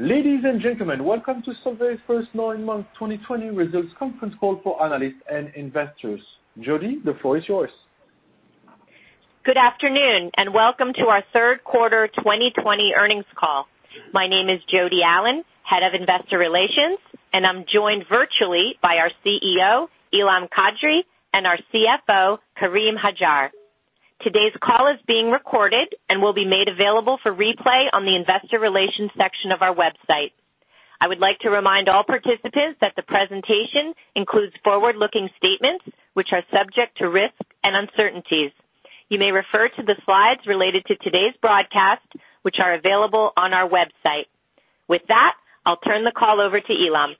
Ladies and gentlemen, welcome to Solvay's First Nine Months 2020 Results Conference Call For Analysts and Investors. Jodi, the floor is yours. Good afternoon, welcome to our third quarter 2020 earnings call. My name is Jodi Allen, Head of Investor Relations, and I'm joined virtually by our CEO, Ilham Kadri, and our CFO, Karim Hajjar. Today's call is being recorded and will be made available for replay on the investor relations section of our website. I would like to remind all participants that the presentation includes forward-looking statements, which are subject to risk and uncertainties. You may refer to the slides related to today's broadcast, which are available on our website. With that, I'll turn the call over to Ilham.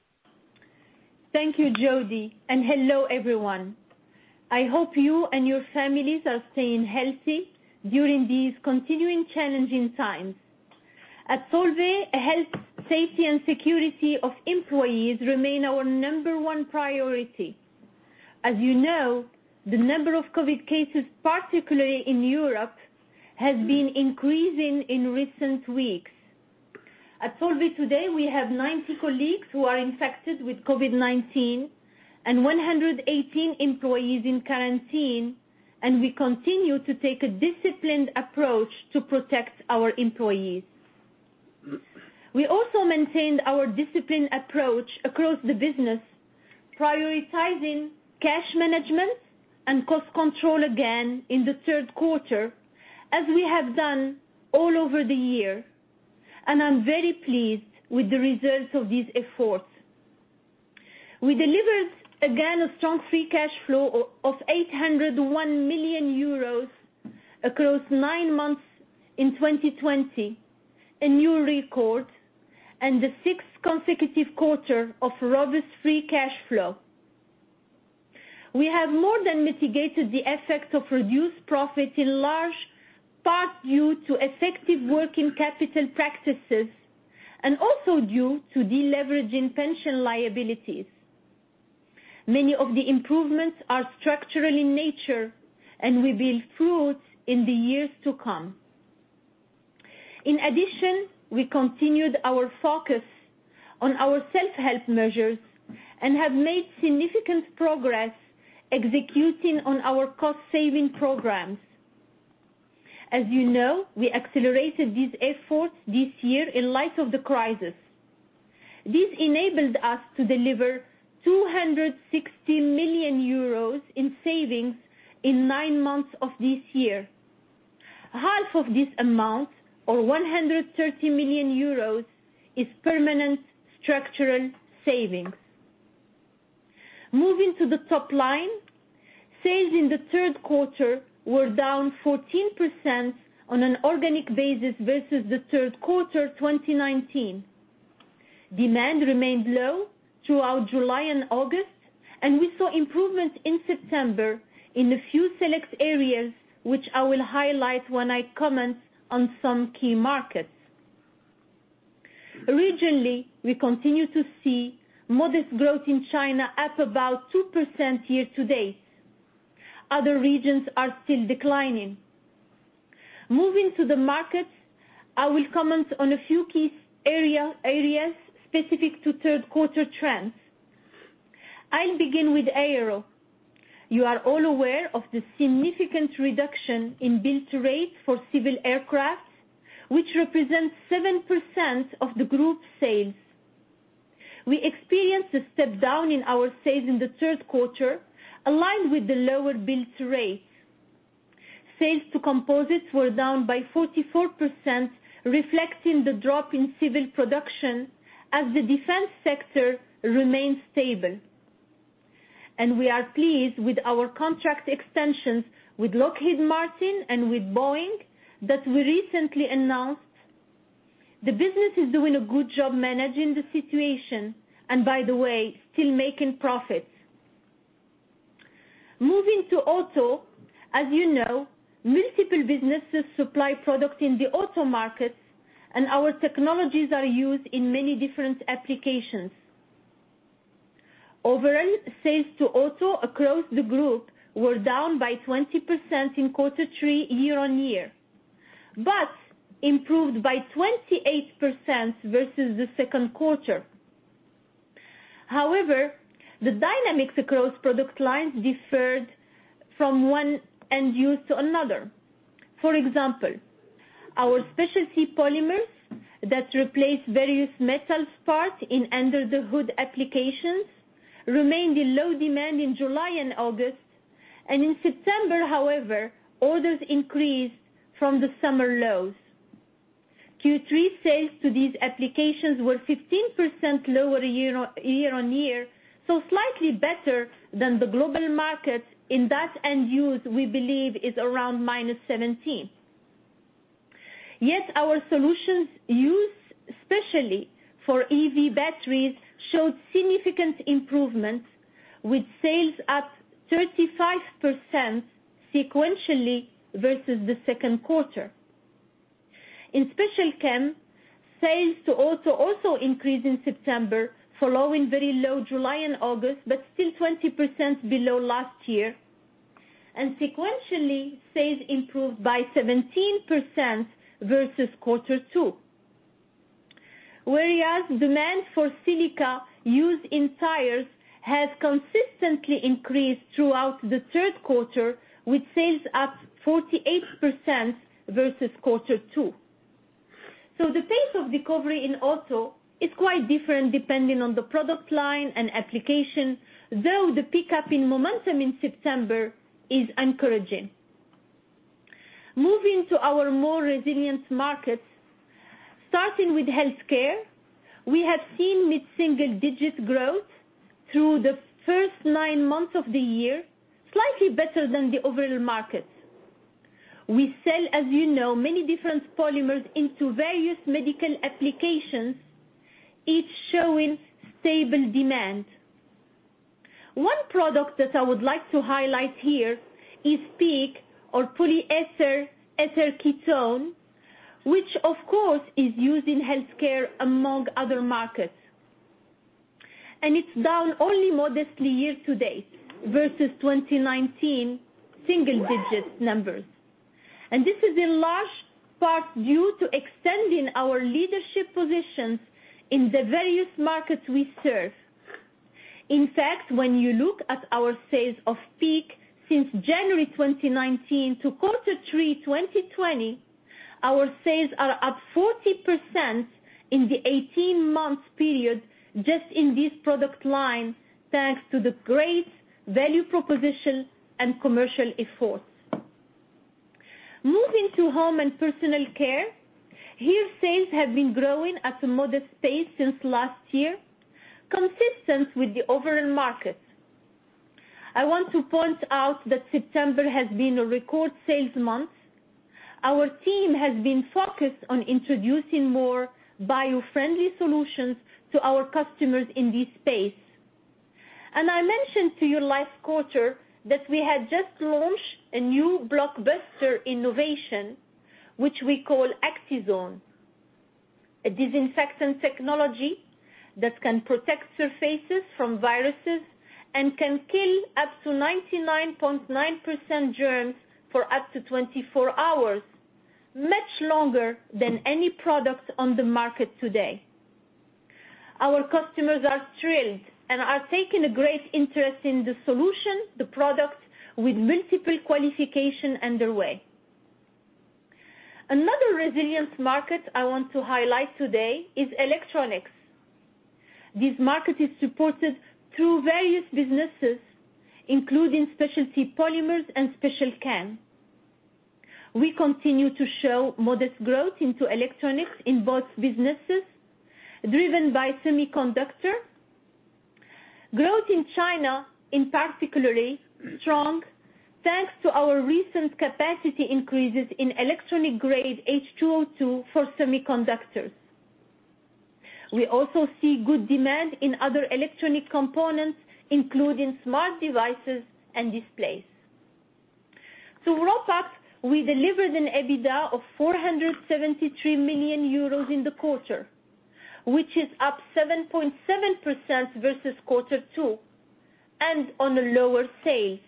Thank you, Jodi, and hello, everyone. I hope you and your families are staying healthy during these continuing challenging times. At Solvay, health, safety, and security of employees remain our number one priority. As you know, the number of COVID cases, particularly in Europe, has been increasing in recent weeks. At Solvay today, we have 90 colleagues who are infected with COVID-19 and 118 employees in quarantine, and we continue to take a disciplined approach to protect our employees. We also maintained our disciplined approach across the business, prioritizing cash management and cost control again in the third quarter, as we have done all over the year, and I'm very pleased with the results of these efforts. We delivered again a strong free cash flow of 801 million euros across nine months in 2020, a new record, and the sixth consecutive quarter of robust free cash flow. We have more than mitigated the effect of reduced profit, in large part due to effective working capital practices, and also due to deleveraging pension liabilities. Many of the improvements are structural in nature, and will bear fruit in the years to come. In addition, we continued our focus on our self-help measures and have made significant progress executing on our cost-saving programs. As you know, we accelerated these efforts this year in light of the crisis. This enabled us to deliver 260 million euros in savings in nine months of this year. Half of this amount, or 130 million euros, is permanent structural savings. Moving to the top line, sales in the third quarter were down 14% on an organic basis versus the third quarter 2019. Demand remained low throughout July and August. We saw improvements in September in a few select areas, which I will highlight when I comment on some key markets. Regionally, we continue to see modest growth in China up about 2% year-to-date. Other regions are still declining. Moving to the markets, I will comment on a few key areas specific to third quarter trends. I'll begin with Aero. You are all aware of the significant reduction in build rates for civil aircraft, which represents 7% of the group's sales. We experienced a step-down in our sales in the third quarter, aligned with the lower build rates. Sales to Composites were down by 44%, reflecting the drop in civil production as the defense sector remained stable. We are pleased with our contract extensions with Lockheed Martin and with Boeing that we recently announced. The business is doing a good job managing the situation, by the way, still making profits. Moving to Auto. As you know, multiple businesses supply products in the auto markets, our technologies are used in many different applications. Overall, sales to Auto across the group were down by 20% in quarter three year-on-year, improved by 28% versus the second quarter. However, the dynamics across product lines differed from one end use to another. For example, our Specialty Polymers that replace various metal parts in under-the-hood applications remained in low demand in July and August, in September, however, orders increased from the summer lows. Q3 sales to these applications were 15% lower year-on-year, slightly better than the global market in that end use we believe is around -17%. Yet our solutions used especially for EV batteries showed significant improvements, with sales up 35% sequentially versus the second quarter. In Special Chem, sales to auto also increased in September, following very low July and August, but still 20% below last year. Sequentially, sales improved by 17% versus quarter two. Whereas demand for silica used in tires has consistently increased throughout the third quarter, with sales up 48% versus quarter two. The pace of recovery in auto is quite different depending on the product line and application, though the pickup in momentum in September is encouraging. Moving to our more resilient markets, starting with healthcare, we have seen mid-single digit growth through the first nine months of the year, slightly better than the overall market. We sell, as you know, many different polymers into various medical applications, each showing stable demand. One product that I would like to highlight here is PEEK, or polyetheretherketone, which of course is used in healthcare, among other markets. It's down only modestly year to date versus 2019, single-digit numbers. This is in large part due to extending our leadership positions in the various markets we serve. In fact, when you look at our sales of PEEK since January 2019 to quarter three 2020, our sales are up 40% in the 18 months period just in this product line, thanks to the great value proposition and commercial efforts. Moving to home and personal care. Here, sales have been growing at a modest pace since last year, consistent with the overall market. I want to point out that September has been a record sales month. Our team has been focused on introducing more bio-friendly solutions to our customers in this space. I mentioned to you last quarter that we had just launched a new blockbuster innovation, which we call Actizone, a disinfectant technology that can protect surfaces from viruses and can kill up to 99.9% germs for up to 24 hours, much longer than any product on the market today. Our customers are thrilled and are taking a great interest in the solution, the product, with multiple qualification underway. Another resilient market I want to highlight today is electronics. This market is supported through various businesses, including Specialty Polymers and Special Chem. We continue to show modest growth into electronics in both businesses, driven by semiconductor. Growth in China in particularly strong, thanks to our recent capacity increases in electronic grade H2O2 for semiconductors. We also see good demand in other electronic components, including smart devices and displays. To wrap up, we delivered an EBITDA of 473 million euros in the quarter, which is up 7.7% versus quarter two, on lower sales.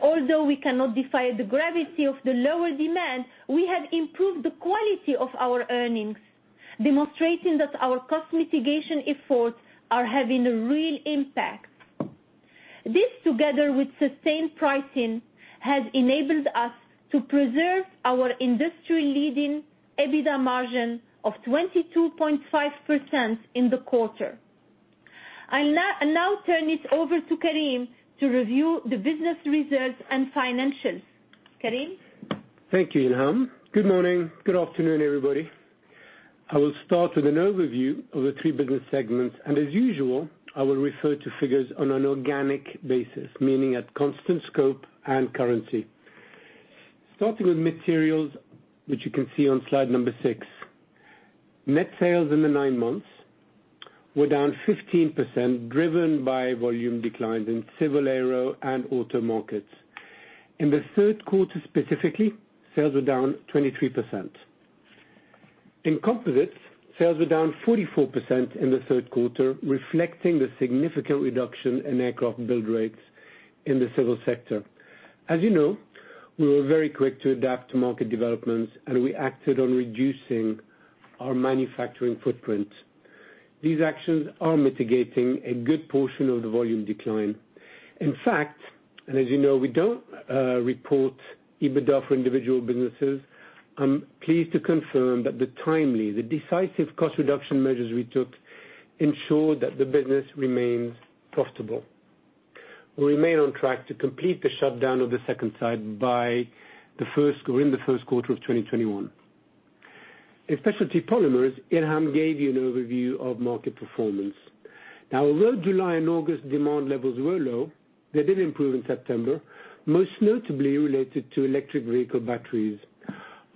Although we cannot defy the gravity of the lower demand, we have improved the quality of our earnings, demonstrating that our cost mitigation efforts are having a real impact. This, together with sustained pricing, has enabled us to preserve our industry-leading EBITDA margin of 22.5% in the quarter. I'll now turn it over to Karim to review the business results and financials. Karim? Thank you, Ilham. Good morning, good afternoon, everybody. I will start with an overview of the three business segments, as usual, I will refer to figures on an organic basis, meaning at constant scope and currency. Starting with Materials, which you can see on slide number six. Net sales in the nine months were down 15%, driven by volume declines in civil aero and auto markets. In the third quarter specifically, sales were down 23%. In Composites, sales were down 44% in the third quarter, reflecting the significant reduction in aircraft build rates in the civil sector. As you know, we were very quick to adapt to market developments, and we acted on reducing our manufacturing footprint. These actions are mitigating a good portion of the volume decline. In fact, as you know, we don't report EBITDA for individual businesses. I'm pleased to confirm that the timely, the decisive cost reduction measures we took ensure that the business remains profitable. We remain on track to complete the shutdown of the second site by the first, or in the first quarter of 2021. In Specialty Polymers, Ilham gave you an overview of market performance. Now, although July and August demand levels were low, they did improve in September, most notably related to electric vehicle batteries.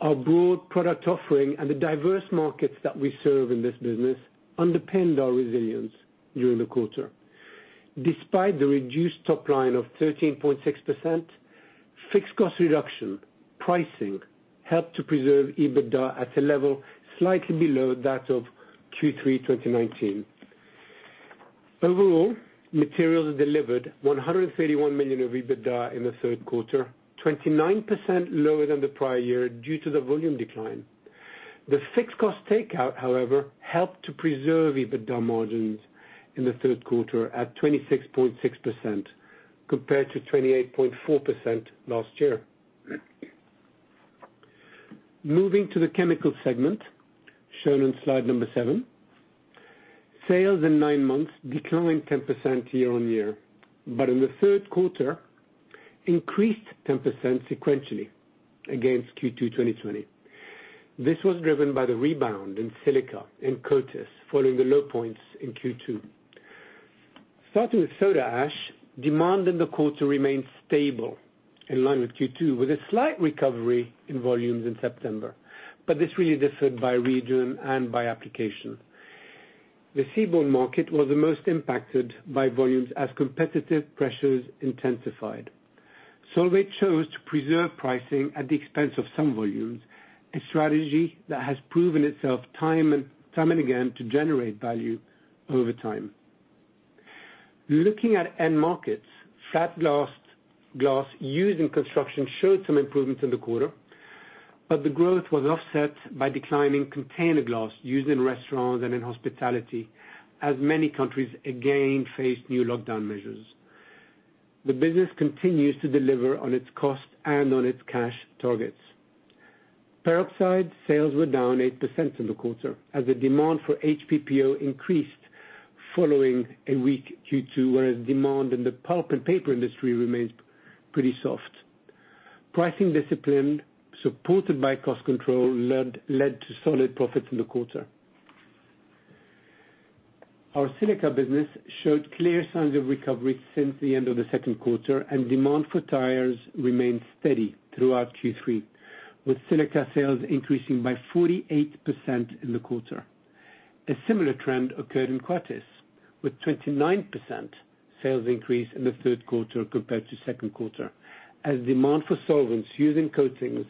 Our broad product offering and the diverse markets that we serve in this business underpinned our resilience during the quarter. Despite the reduced top line of 13.6%, fixed cost reduction, pricing helped to preserve EBITDA at a level slightly below that of Q3 2019. Overall, Materials delivered 131 million of EBITDA in the third quarter, 29% lower than the prior year due to the volume decline. The fixed cost takeout, however, helped to preserve EBITDA margins in the third quarter at 26.6%, compared to 28.4% last year. Moving to the Chemicals segment, shown on slide number seven. Sales in nine months declined 10% year-on-year, in the third quarter increased 10% sequentially against Q2 2020. This was driven by the rebound in silica and coatings following the low points in Q2. Starting with soda ash, demand in the quarter remained stable in line with Q2, with a slight recovery in volumes in September. This really differed by region and by application. The seaborne market was the most impacted by volumes as competitive pressures intensified. Solvay chose to preserve pricing at the expense of some volumes, a strategy that has proven itself time and again to generate value over time. Looking at end markets, flat glass used in construction showed some improvements in the quarter, but the growth was offset by declining container glass used in restaurants and in hospitality, as many countries again faced new lockdown measures. The business continues to deliver on its cost and on its cash targets. Peroxides sales were down 8% in the quarter as the demand for HPPO increased following a weak Q2, whereas demand in the pulp and paper industry remains pretty soft. Pricing discipline supported by cost control led to solid profits in the quarter. Our silica business showed clear signs of recovery since the end of the second quarter, and demand for tires remained steady throughout Q3, with silica sales increasing by 48% in the quarter. A similar trend occurred in coatings, with 29% sales increase in the third quarter compared to second quarter, as demand for solvents used in coatings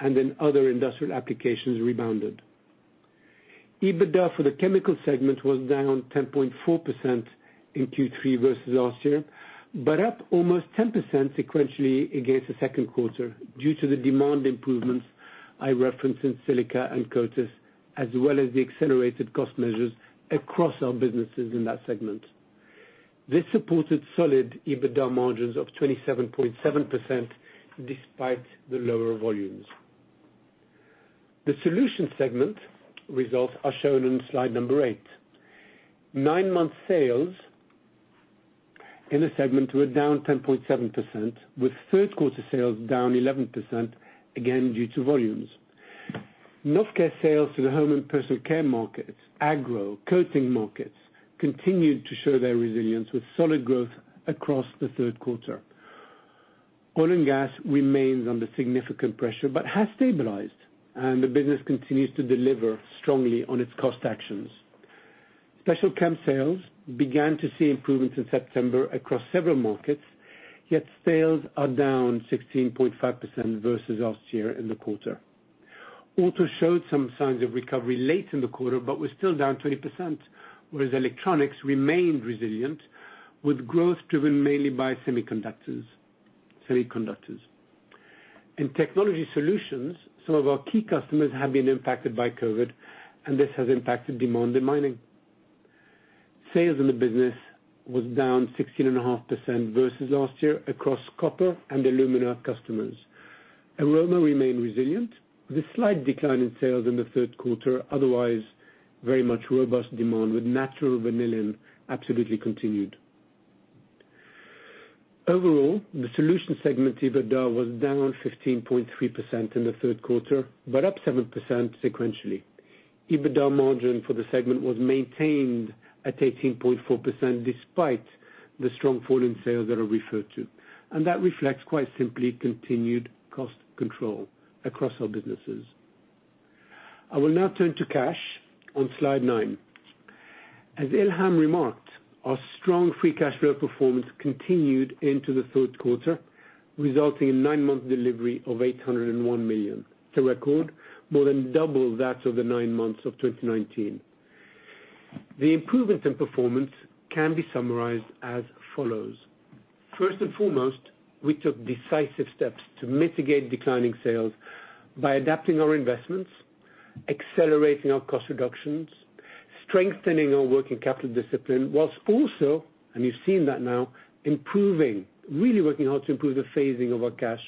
and in other industrial applications rebounded. EBITDA for the chemical segment was down 10.4% in Q3 versus last year, but up almost 10% sequentially against the second quarter due to the demand improvements I referenced in silica and coatings, as well as the accelerated cost measures across our businesses in that segment. This supported solid EBITDA margins of 27.7% despite the lower volumes. The Solutions segment results are shown on slide number eight. Nine-month sales in the segment were down 10.7%, with third quarter sales down 11%, again due to volumes. Novecare sales to the home and personal care markets, agro, coating markets continued to show their resilience, with solid growth across the third quarter. Oil and Gas remains under significant pressure, but has stabilized, the business continues to deliver strongly on its cost actions. Special Chem sales began to see improvements in September across several markets, yet sales are down 16.5% versus last year in the quarter. Auto showed some signs of recovery late in the quarter, was still down 20%, whereas electronics remained resilient, with growth driven mainly by semiconductors. In Technology Solutions, some of our key customers have been impacted by COVID-19, this has impacted demand in mining. Sales in the business was down 16.5% versus last year across copper and alumina customers. Aroma remained resilient, with a slight decline in sales in the third quarter, otherwise very much robust demand, with natural vanillin absolutely continued. Overall, the Solutions segment EBITDA was down 15.3% in the third quarter, up 7% sequentially. EBITDA margin for the segment was maintained at 18.4%, despite the strong fall in sales that I referred to, and that reflects quite simply continued cost control across our businesses. I will now turn to cash on slide nine. As Ilham remarked, our strong free cash flow performance continued into the third quarter, resulting in nine-month delivery of 801 million, a record more than double that of the nine months of 2019. The improvements in performance can be summarized as follows. First and foremost, we took decisive steps to mitigate declining sales by adapting our investments, accelerating our cost reductions, strengthening our working capital discipline whilst also, and you've seen that now, improving, really working hard to improve the phasing of our cash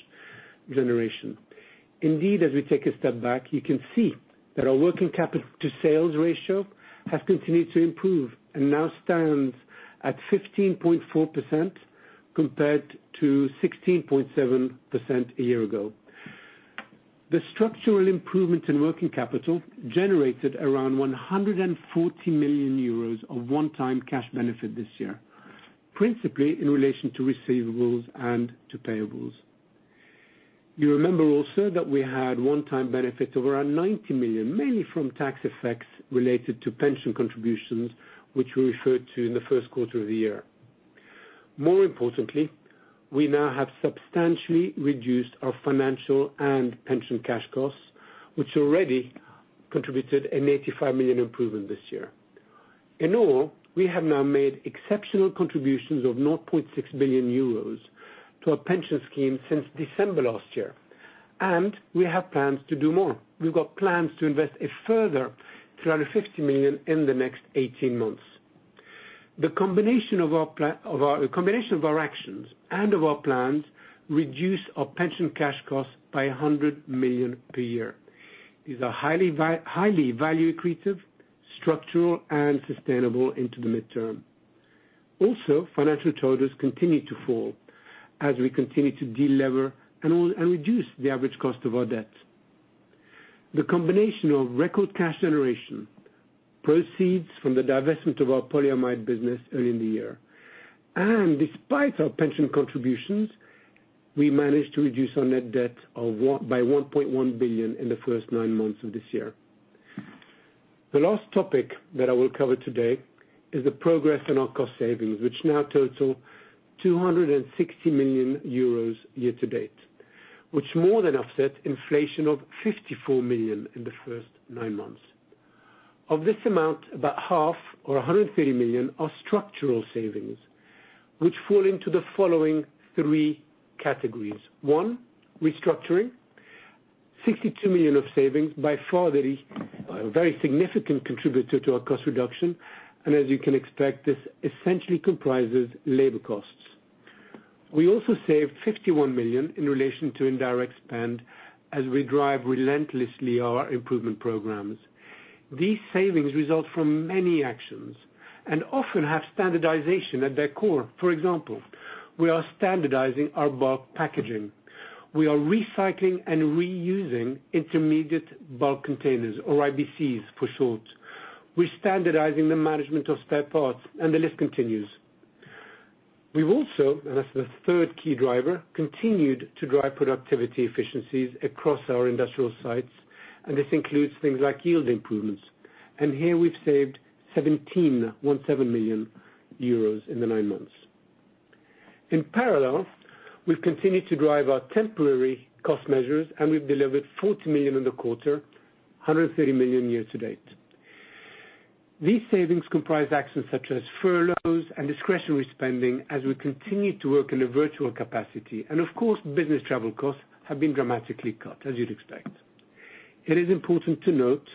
generation. Indeed, as we take a step back, you can see that our working capital to sales ratio has continued to improve and now stands at 15.4% compared to 16.7% a year ago. The structural improvement in working capital generated around 140 million euros of one-time cash benefit this year, principally in relation to receivables and to payables. You remember also that we had one-time benefits of around 90 million, mainly from tax effects related to pension contributions, which we referred to in the first quarter of the year. More importantly, we now have substantially reduced our financial and pension cash costs, which already contributed an 85 million improvement this year. In all, we have now made exceptional contributions of 9.6 billion euros to our pension scheme since December last year, and we have plans to do more. We've got plans to invest a further 350 million in the next 18 months. The combination of our actions and of our plans reduce our pension cash costs by 100 million per year. These are highly value accretive, structural, and sustainable into the midterm. Financial totals continue to fall as we continue to de-lever and reduce the average cost of our debt. The combination of record cash generation proceeds from the divestment of our polyamide business early in the year, and despite our pension contributions, we managed to reduce our net debt by 1.1 billion in the first nine months of this year. The last topic that I will cover today is the progress on our cost savings, which now total 260 million euros year-to-date, which more than offset inflation of 54 million in the first nine months. Of this amount, about half, or 130 million, are structural savings, which fall into the following three categories. One, restructuring. 62 million of savings, by far a very significant contributor to our cost reduction, and as you can expect, this essentially comprises labor costs. We also saved 51 million EUR in relation to indirect spend as we drive relentlessly our improvement programs. These savings result from many actions and often have standardization at their core. For example, we are standardizing our bulk packaging. We are recycling and reusing Intermediate Bulk Containers, or IBCs for short. We're standardizing the management of spare parts, and the list continues. We've also, and that's the third key driver, continued to drive productivity efficiencies across our industrial sites, and this includes things like yield improvements. Here we've saved 17 million euros in the nine months. In parallel, we've continued to drive our temporary cost measures, and we've delivered 40 million in the quarter, 130 million year-to-date. These savings comprise actions such as furloughs and discretionary spending as we continue to work in a virtual capacity. Of course, business travel costs have been dramatically cut, as you'd expect. It is important to note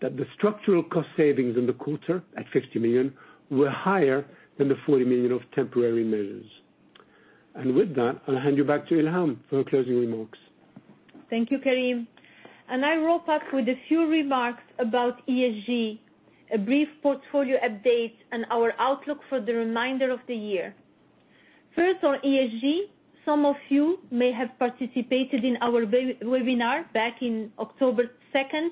that the structural cost savings in the quarter, at 50 million, were higher than the 40 million of temporary measures. With that, I'll hand you back to Ilham for her closing remarks. Thank you, Karim. I wrap up with a few remarks about ESG, a brief portfolio update, and our outlook for the remainder of the year. First on ESG, some of you may have participated in our webinar back in October 2nd,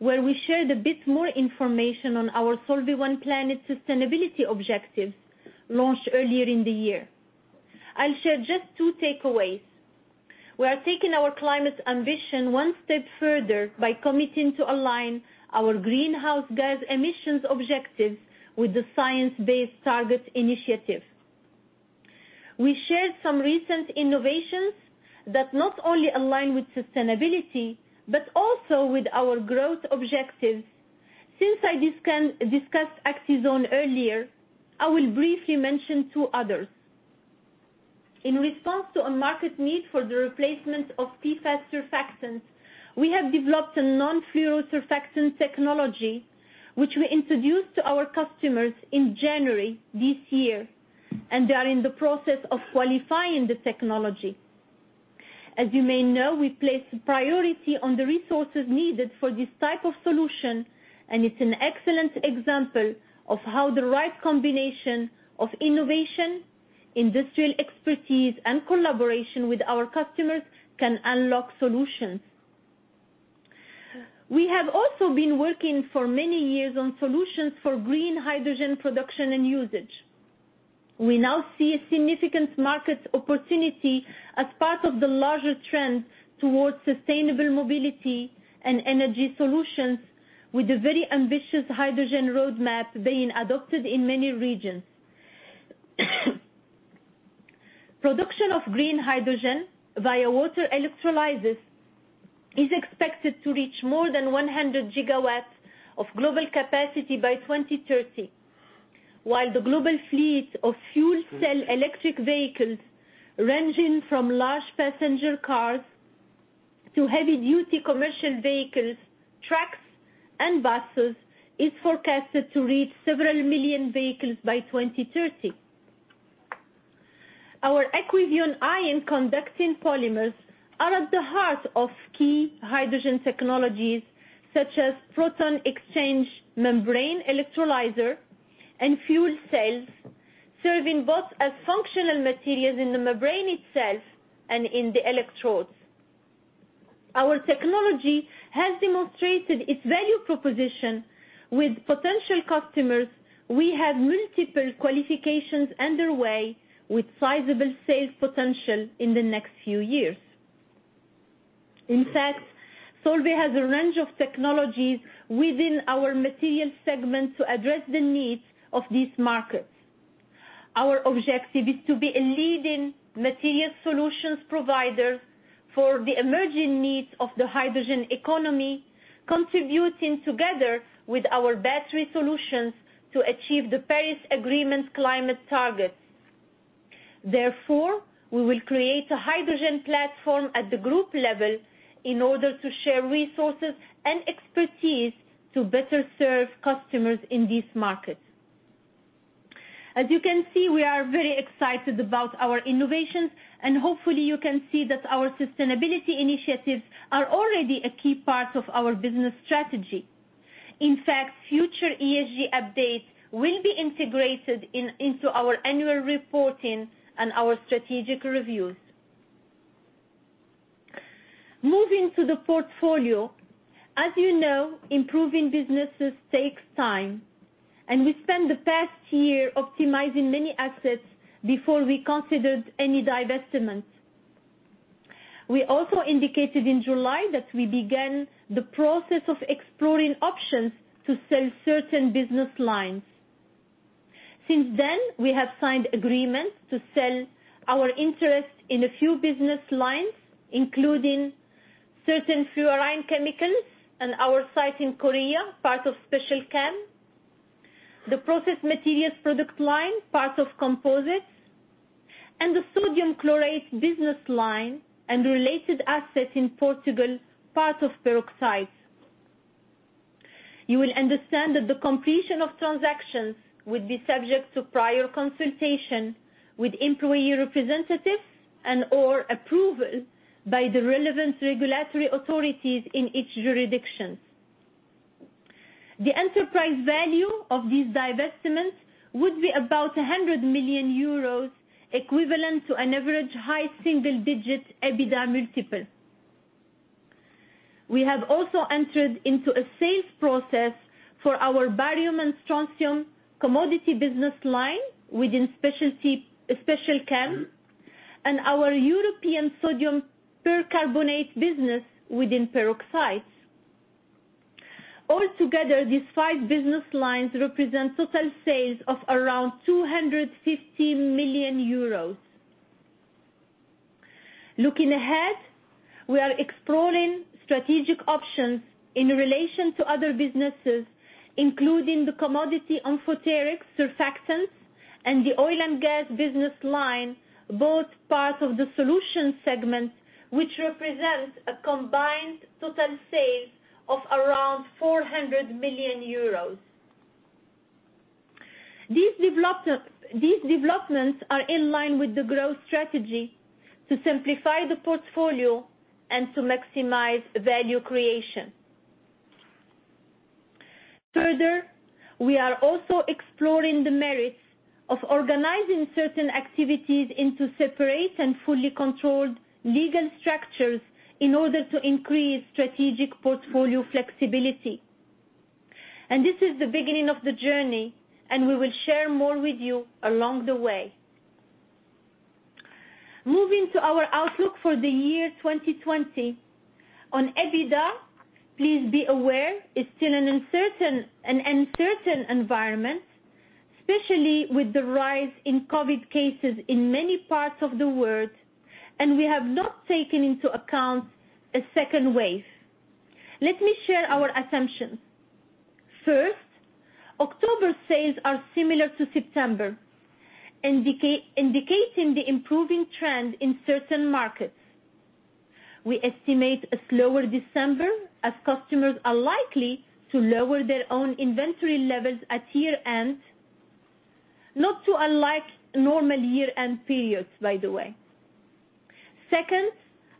where we shared a bit more information on our Solvay One Planet sustainability objectives launched earlier in the year. I'll share just two takeaways. We are taking our climate ambition one step further by committing to align our greenhouse gas emissions objectives with the Science Based Targets initiative. We shared some recent innovations that not only align with sustainability but also with our growth objectives. Since I discussed Actizone earlier, I will briefly mention two others. In response to a market need for the replacement of PFAS surfactants, we have developed a non-fluoro surfactant technology, which we introduced to our customers in January this year, and they are in the process of qualifying the technology. As you may know, we place priority on the resources needed for this type of solution, and it's an excellent example of how the right combination of innovation, industrial expertise, and collaboration with our customers can unlock solutions. We have also been working for many years on solutions for green hydrogen production and usage. We now see a significant market opportunity as part of the larger trend towards sustainable mobility and energy solutions with a very ambitious hydrogen roadmap being adopted in many regions. Production of green hydrogen via water electrolyzers is expected to reach more than 100 GW of global capacity by 2030. While the global fleet of fuel cell electric vehicles, ranging from large passenger cars to heavy-duty commercial vehicles, trucks, and buses, is forecasted to reach several million vehicles by 2030. Our Aquivion ion-conducting polymers are at the heart of key hydrogen technologies such as proton-exchange membrane electrolyzer and fuel cells, serving both as functional materials in the membrane itself and in the electrodes. Our technology has demonstrated its value proposition with potential customers. We have multiple qualifications underway with sizable sales potential in the next few years. In fact, Solvay has a range of technologies within our Materials segment to address the needs of these markets. Our objective is to be a leading materials solutions provider for the emerging needs of the hydrogen economy, contributing together with our battery solutions to achieve the Paris Agreement's climate targets. Therefore, we will create a hydrogen platform at the group level in order to share resources and expertise to better serve customers in these markets. As you can see, we are very excited about our innovations, and hopefully you can see that our sustainability initiatives are already a key part of our business strategy. In fact, future ESG updates will be integrated into our annual reporting and our strategic reviews. Moving to the portfolio. As you know, improving businesses takes time, and we spent the past year optimizing many assets before we considered any divestments. We also indicated in July that we began the process of exploring options to sell certain business lines. Since then, we have signed agreements to sell our interest in a few business lines, including certain fluorine chemicals and our site in Korea, part of Special Chem, the process materials product line, part of Composites, and the sodium chlorate business line and related assets in Portugal, part of Peroxides. You will understand that the completion of transactions would be subject to prior consultation with employee representatives and/or approval by the relevant regulatory authorities in each jurisdiction. The enterprise value of these divestments would be about 100 million euros, equivalent to an average high single-digit EBITDA multiple. We have also entered into a sales process for our barium and strontium commodity business line within Special Chem and our European sodium percarbonate business within Peroxides. All together, these five business lines represent total sales of around 250 million euros. Looking ahead, we are exploring strategic options in relation to other businesses, including the commodity amphoteric surfactants and the oil and gas business line, both parts of the Solutions segment, which represents a combined total sales of around 400 million euros. These developments are in line with the growth strategy to simplify the portfolio and to maximize value creation. Further, we are also exploring the merits of organizing certain activities into separate and fully controlled legal structures in order to increase strategic portfolio flexibility. This is the beginning of the journey, and we will share more with you along the way. Moving to our outlook for the year 2020. On EBITDA, please be aware it's still an uncertain environment, especially with the rise in COVID cases in many parts of the world, and we have not taken into account a second wave. Let me share our assumptions. First, October sales are similar to September, indicating the improving trend in certain markets. We estimate a slower December as customers are likely to lower their own inventory levels at year-end, not too unlike normal year-end periods, by the way. Second,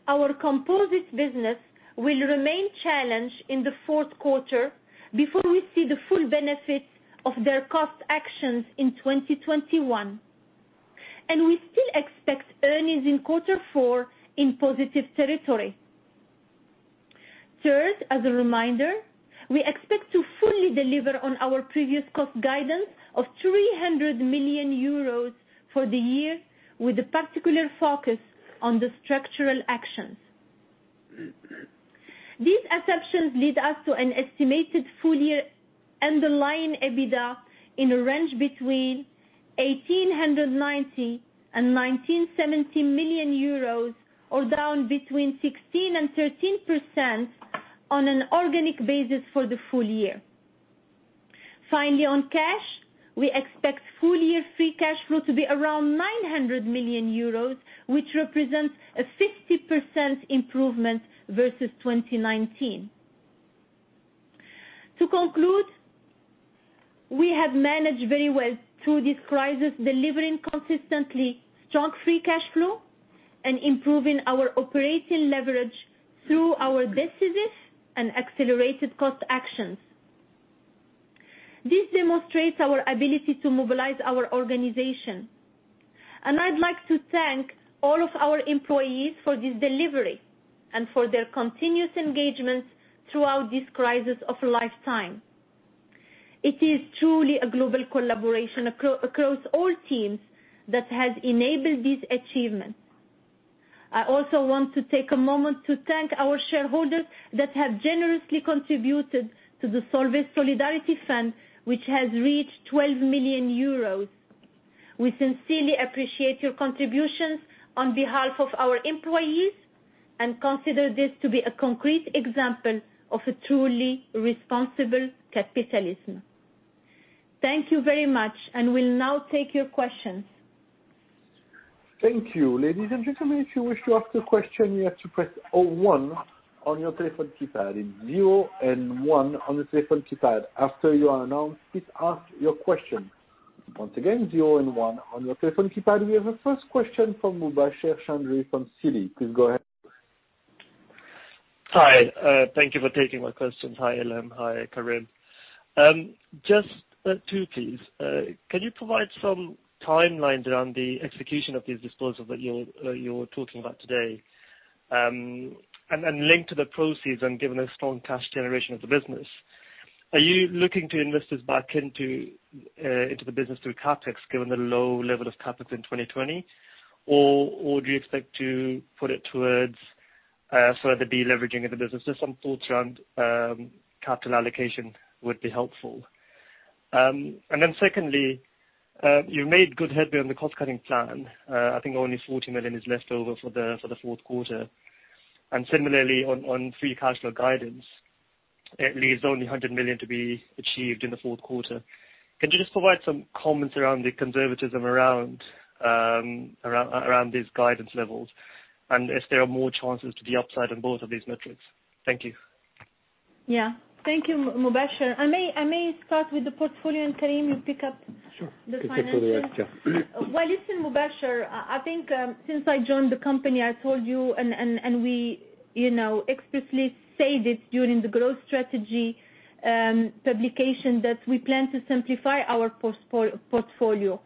our Composites business will remain challenged in the fourth quarter before we see the full benefits of their cost actions in 2021, and we still expect earnings in quarter four in positive territory. Third, as a reminder, we expect to fully deliver on our previous cost guidance of 300 million euros for the year, with a particular focus on the structural actions. These assumptions lead us to an estimated full-year underlying EBITDA in a range between 1,890 million and 1,970 million euros or down between 16% and 13% on an organic basis for the full year. Finally, on cash, we expect full-year free cash flow to be around 900 million euros, which represents a 50% improvement versus 2019. To conclude, we have managed very well through this crisis, delivering consistently strong free cash flow and improving our operating leverage through our decisive and accelerated cost actions. I'd like to thank all of our employees for this delivery and for their continuous engagement throughout this crisis of a lifetime. It is truly a global collaboration across all teams that has enabled this achievement. I also want to take a moment to thank our shareholders that have generously contributed to the Solvay Solidarity Fund, which has reached 12 million euros. We sincerely appreciate your contributions on behalf of our employees, consider this to be a concrete example of a truly responsible capitalism. Thank you very much. We'll now take your questions. Thank you. Ladies and gentlemen, if you wish to ask a question, you have to press zero one on your telephone keypad. It's zero and one on the telephone keypad. After you are announced, please ask your question. Once again, zero and one on your telephone keypad. We have a first question from Mubasher Chaudhry from Citi. Please go ahead. Hi. Thank you for taking my questions. Hi, IIham. Hi, Karim. Just two, please. Can you provide some timelines around the execution of these disposals that you're talking about today? Linked to the proceeds and given the strong cash generation of the business, are you looking to invest this back into the business through CapEx, given the low level of CapEx in 2020, or would you expect to put it towards further deleveraging of the business? Just some thoughts around capital allocation would be helpful. Secondly, you've made good headway on the cost-cutting plan. I think only 40 million is left over for the fourth quarter. Similarly, on free cash flow guidance, it leaves only 100 million to be achieved in the fourth quarter. Can you just provide some comments around the conservatism around these guidance levels, and if there are more chances to the upside on both of these metrics? Thank you. Yeah. Thank you, Mubasher. I may start with the portfolio and, Karim, you pick up. Sure. the financials. You take all the rest, yeah. Well, listen, Mubasher, I think since I joined the company, I told you, and we explicitly said it during the growth strategy publication, that we plan to simplify our portfolio.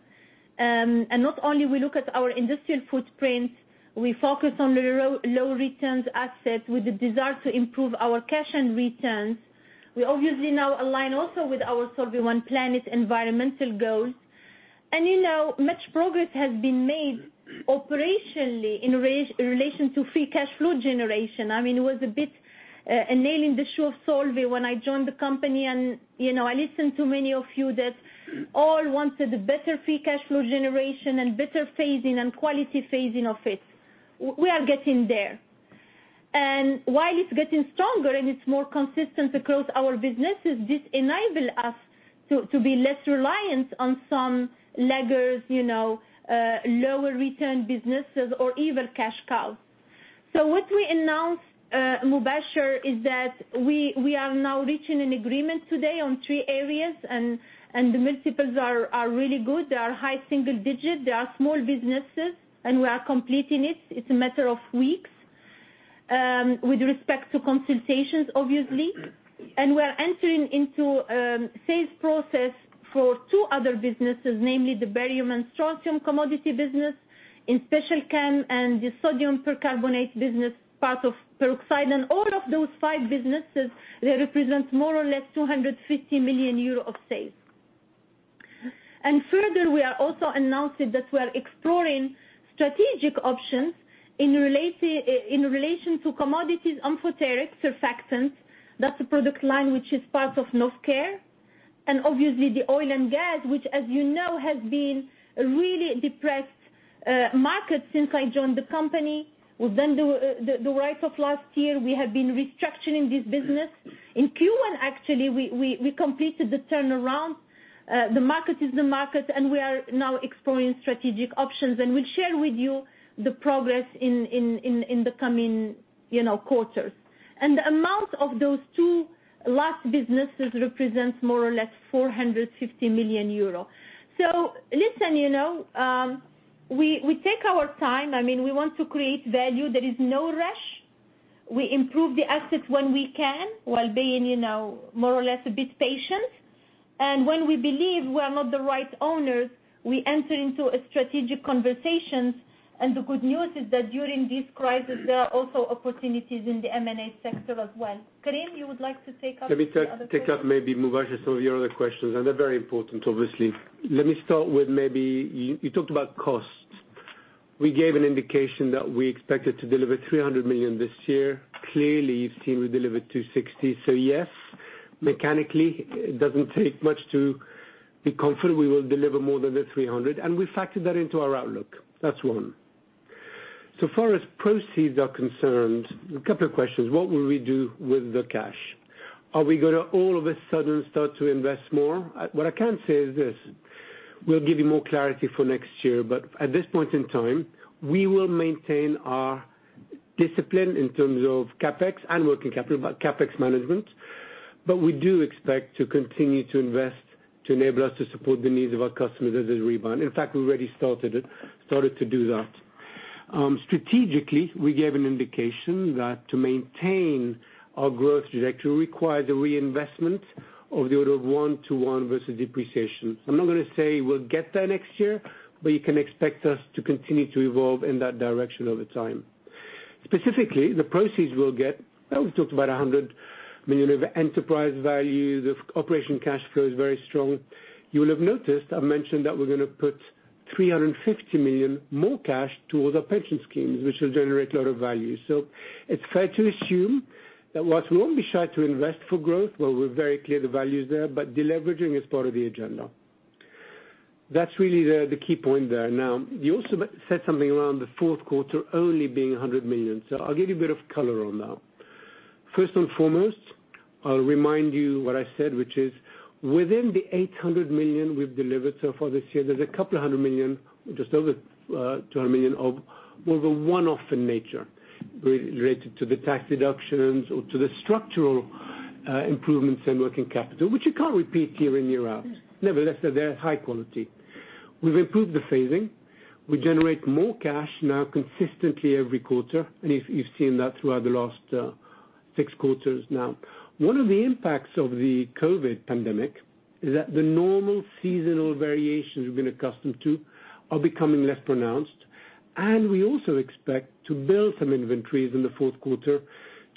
Not only we look at our industrial footprint, we focus on the low returns assets with the desire to improve our cash and returns. We obviously now align also with our Solvay One Planet environmental goals. Much progress has been made operationally in relation to free cash flow generation. It was a bit a nail in the shoe of Solvay when I joined the company, and I listened to many of you that all wanted a better free cash flow generation and better phasing and quality phasing of it. We are getting there. While it's getting stronger and it's more consistent across our businesses, this enable us to be less reliant on some laggers, lower return businesses or even cash cows. What we announced, Mubasher, is that we are now reaching an agreement today on three areas, and the multiples are really good. They are high single digit. They are small businesses, and we are completing it. It's a matter of weeks, with respect to consultations, obviously. We are entering into a sales process for two other businesses, namely the barium and strontium commodity business in Special Chem and the sodium percarbonate business, part of Peroxides. All of those five businesses, they represent more or less 250 million euro of sales. Further, we are also announcing that we are exploring strategic options in relation to commodities amphoteric surfactants. That's a product line which is part of Novecare. Obviously the oil and gas, which as you know, has been a really depressed market since I joined the company. Within the run-up of last year, we have been restructuring this business. In Q1, actually, we completed the turnaround. The market is the market, and we are now exploring strategic options, and we'll share with you the progress in the coming quarters. The amount of those two last businesses represents more or less 450 million euro. Listen, we take our time. We want to create value. There is no rush. We improve the assets when we can while being more or less a bit patient. When we believe we are not the right owners, we enter into strategic conversations. The good news is that during this crisis, there are also opportunities in the M&A sector as well. Karim, you would like to take up the other questions? Let me take up maybe, Mubasher, some of your other questions, and they're very important, obviously. Let me start with maybe, you talked about cost. We gave an indication that we expected to deliver 300 million this year. Clearly, you've seen we delivered 260 million. Yes, mechanically, it doesn't take much to be confident we will deliver more than 300 million, and we factored that into our outlook. That's one. Far as proceeds are concerned, a couple of questions. What will we do with the cash? Are we going to all of a sudden start to invest more? What I can say is this. We'll give you more clarity for next year, but at this point in time, we will maintain our discipline in terms of CapEx and working capital, but CapEx management. We do expect to continue to invest to enable us to support the needs of our customers as they rebound. In fact, we already started to do that. Strategically, we gave an indication that to maintain our growth trajectory requires a reinvestment of the order of one-to-one versus depreciation. I'm not going to say we'll get there next year, but you can expect us to continue to evolve in that direction over time. Specifically, the proceeds we'll get, we've talked about 100 million of enterprise value. The operation cash flow is very strong. You will have noticed I mentioned that we're going to put 350 million more cash towards our pension schemes, which will generate a lot of value. It's fair to assume that whilst we won't be shy to invest for growth, while we're very clear the value is there, but de-leveraging is part of the agenda. That's really the key point there. You also said something around the fourth quarter only being 100 million. I'll give you a bit of color on that. First and foremost, I'll remind you what I said, which is within the 800 million we've delivered so far this year, there's a couple of hundred million, just over 200 million of more the one-off in nature related to the tax deductions or to the structural improvements in working capital, which you can't repeat year in, year out. They're high quality. We've improved the phasing. We generate more cash now consistently every quarter, you've seen that throughout the last six quarters now. One of the impacts of the COVID-19 pandemic is that the normal seasonal variations we've been accustomed to are becoming less pronounced. We also expect to build some inventories in the fourth quarter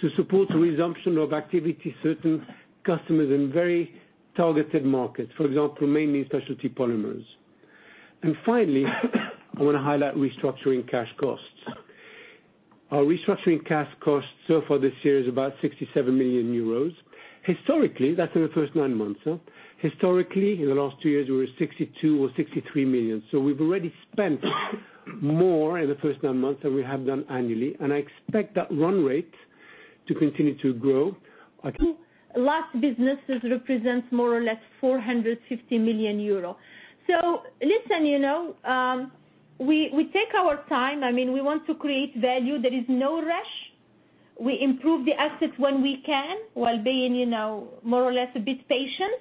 to support the resumption of activity, certain customers in very targeted markets, for example, mainly Specialty Polymers. Finally, I want to highlight restructuring cash costs. Our restructuring cash costs so far this year is about 67 million euros. Historically, that's in the first nine months. Historically, in the last two years, we were at 62 million or 63 million. We've already spent more in the first nine months than we have done annually, and I expect that run rate to continue to grow. Last businesses represents more or less 450 million euro. Listen, we take our time. We want to create value. There is no rush. We improve the assets when we can while being more or less a bit patient.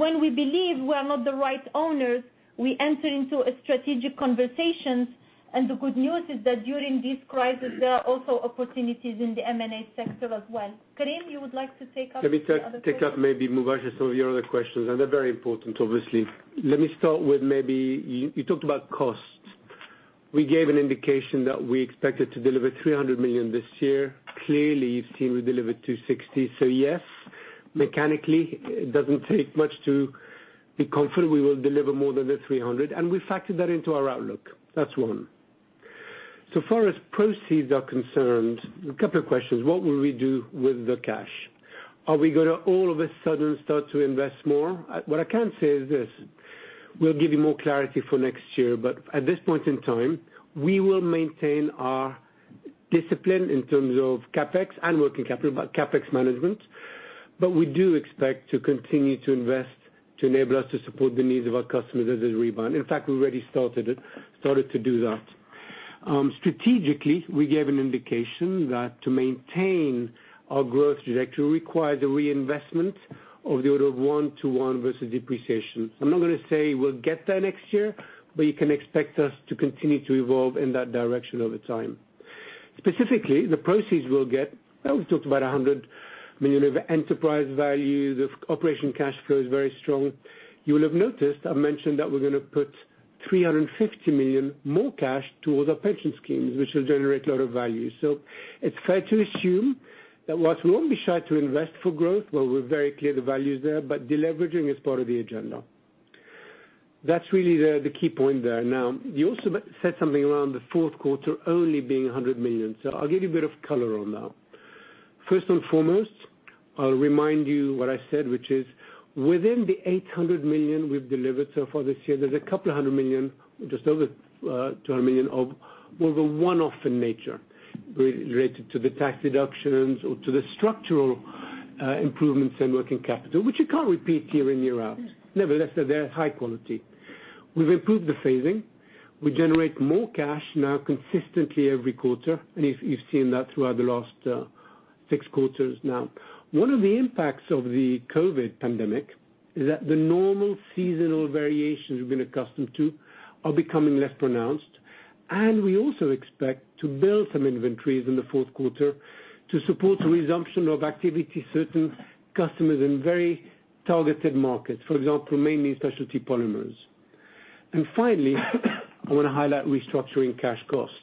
When we believe we are not the right owners, we enter into strategic conversations, and the good news is that during this crisis, there are also opportunities in the M&A sector as well. Karim, you would like to take up the other point? Let me take up maybe, Mubasher, some of your other questions, and they're very important, obviously. Let me start with maybe, you talked about costs. We gave an indication that we expected to deliver 300 million this year. Clearly, you've seen we delivered 260 million. Yes, mechanically, it doesn't take much to be confident we will deliver more than the 300 million, and we factored that into our outlook. That's one. Far as proceeds are concerned, a couple of questions. What will we do with the cash? Are we going to all of a sudden start to invest more? What I can say is this, we'll give you more clarity for next year, but at this point in time, we will maintain our discipline in terms of CapEx and working capital, but CapEx management. We do expect to continue to invest to enable us to support the needs of our customers as they rebound. In fact, we already started to do that. Strategically, we gave an indication that to maintain our growth trajectory requires a reinvestment of the order of one-to-one versus depreciation. I'm not going to say we'll get there next year, but you can expect us to continue to evolve in that direction over time. Specifically, the proceeds we'll get, we've talked about 100 million of enterprise value. The operating cash flow is very strong. You will have noticed I mentioned that we're going to put 350 million more cash towards our pension schemes, which will generate a lot of value. It's fair to assume that while we won't be shy to invest for growth, while we're very clear the value is there, but de-leveraging is part of the agenda. That's really the key point there. You also said something around the fourth quarter only being 100 million. I'll give you a bit of color on that. First and foremost, I'll remind you what I said, which is within the 800 million we've delivered so far this year, there's a couple of hundred million, just over 200 million of more the one-off in nature related to the tax deductions or to the structural improvements in working capital, which you can't repeat year in, year out. Nevertheless, they're high quality. We've improved the phasing. We generate more cash now consistently every quarter, and you've seen that throughout the last six quarters now. One of the impacts of the COVID-19 pandemic is that the normal seasonal variations we've been accustomed to are becoming less pronounced. We also expect to build some inventories in the fourth quarter to support the resumption of activity, certain customers in very targeted markets, for example, mainly Specialty Polymers. Finally, I want to highlight restructuring cash costs.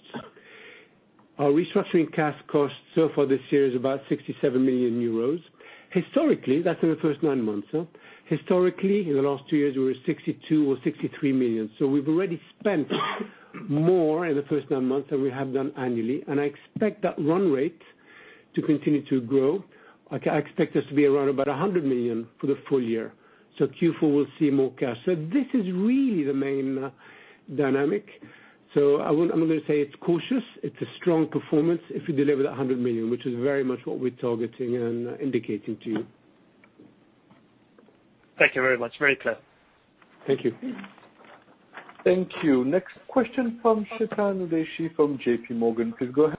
Our restructuring cash costs so far this year is about 67 million euros. Historically, that's in the first nine months. Historically, in the last two years, we were at 62 million or 63 million. We've already spent more in the first nine months than we have done annually, and I expect that run rate to continue to grow. I expect us to be around about 100 million for the full year. Q4 will see more cash. This is really the main dynamic. I'm not going to say it's cautious. It's a strong performance if we deliver that 100 million, which is very much what we're targeting and indicating to you. Thank you very much. Very clear. Thank you. Thank you. Next question from Chetan Udeshi from J.P. Morgan. Please go ahead.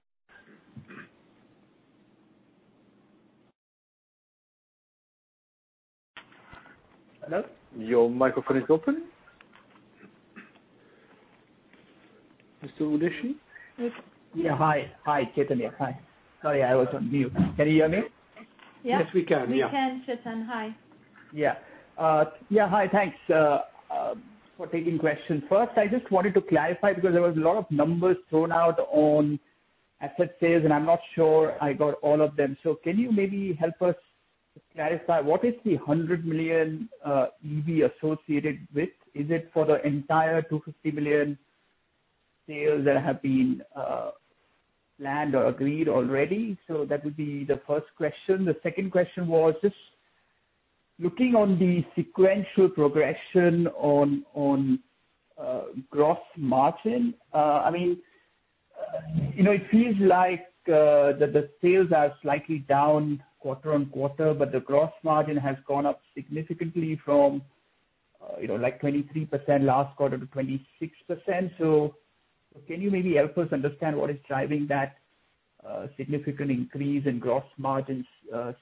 Hello? Mr. Udeshi? Yeah. Hi, Chetan here. Hi. Sorry, I was on mute. Can you hear me? Yes, we can. Yeah. We can, Chetan. Hi. Yeah. Hi. Thanks for taking question. First, I just wanted to clarify, because there was a lot of numbers thrown out on asset sales, and I'm not sure I got all of them. Can you maybe help us to clarify what is the 100 million EV associated with? Is it for the entire 250 million sales that have been planned or agreed already? That would be the first question. The second question was just looking on the sequential progression on gross margin. It feels like the sales are slightly down quarter-on-quarter, but the gross margin has gone up significantly from 23% last quarter to 26%. Can you maybe help us understand what is driving that significant increase in gross margins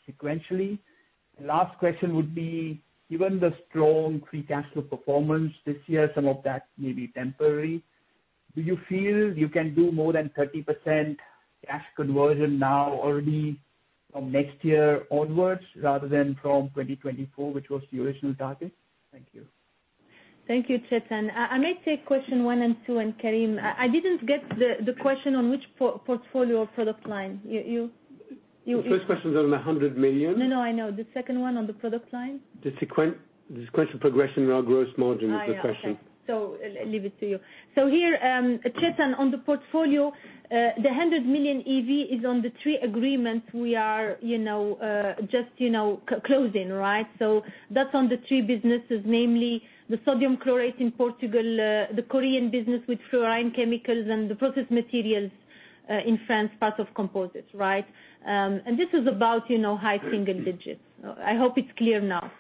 sequentially? Last question would be, given the strong free cash flow performance this year, some of that may be temporary. Do you feel you can do more than 30% cash conversion now already from next year onwards rather than from 2024, which was the original target? Thank you. Thank you, Chetan. I may take question one and two, and Karim, I didn't get the question on which portfolio or product line. The first question's on the 100 million. No, I know. The second one on the product line. The sequential progression around gross margin is the question. Okay. I'll leave it to you. Here, Chetan, on the portfolio, the 100 million EV is on the three agreements we are just closing, right? That's on the three businesses, namely the sodium chlorate in Portugal, the Korean business with fluorine chemicals, and the process materials in France, part of Composites. Right? This is about high single digits. I hope it's clear now.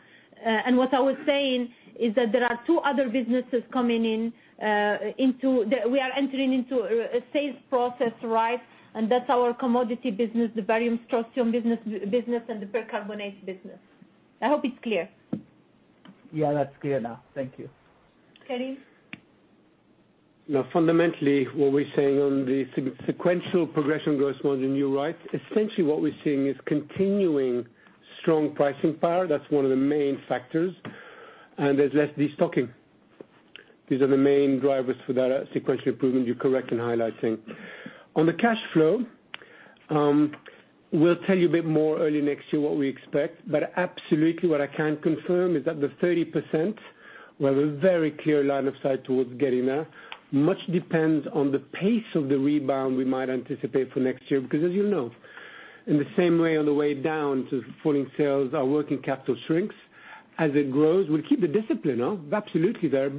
What I was saying is that there are two other businesses coming in. We are entering into a sales process, right? That's our commodity business, the barium strontium business, and the percarbonate business. I hope it's clear. Yeah, that's clear now. Thank you. Karim. Fundamentally, what we're saying on the sequential progression gross margin, you're right. Essentially what we're seeing is continuing strong pricing power. That's one of the main factors. There's less de-stocking. These are the main drivers for that sequential improvement. You're correct in highlighting. On the cash flow, we'll tell you a bit more early next year what we expect, absolutely what I can confirm is that the 30%, we have a very clear line of sight towards getting there. Much depends on the pace of the rebound we might anticipate for next year, because as you know, in the same way, on the way down to falling sales, our working capital shrinks. As it grows, we'll keep the discipline, absolutely there,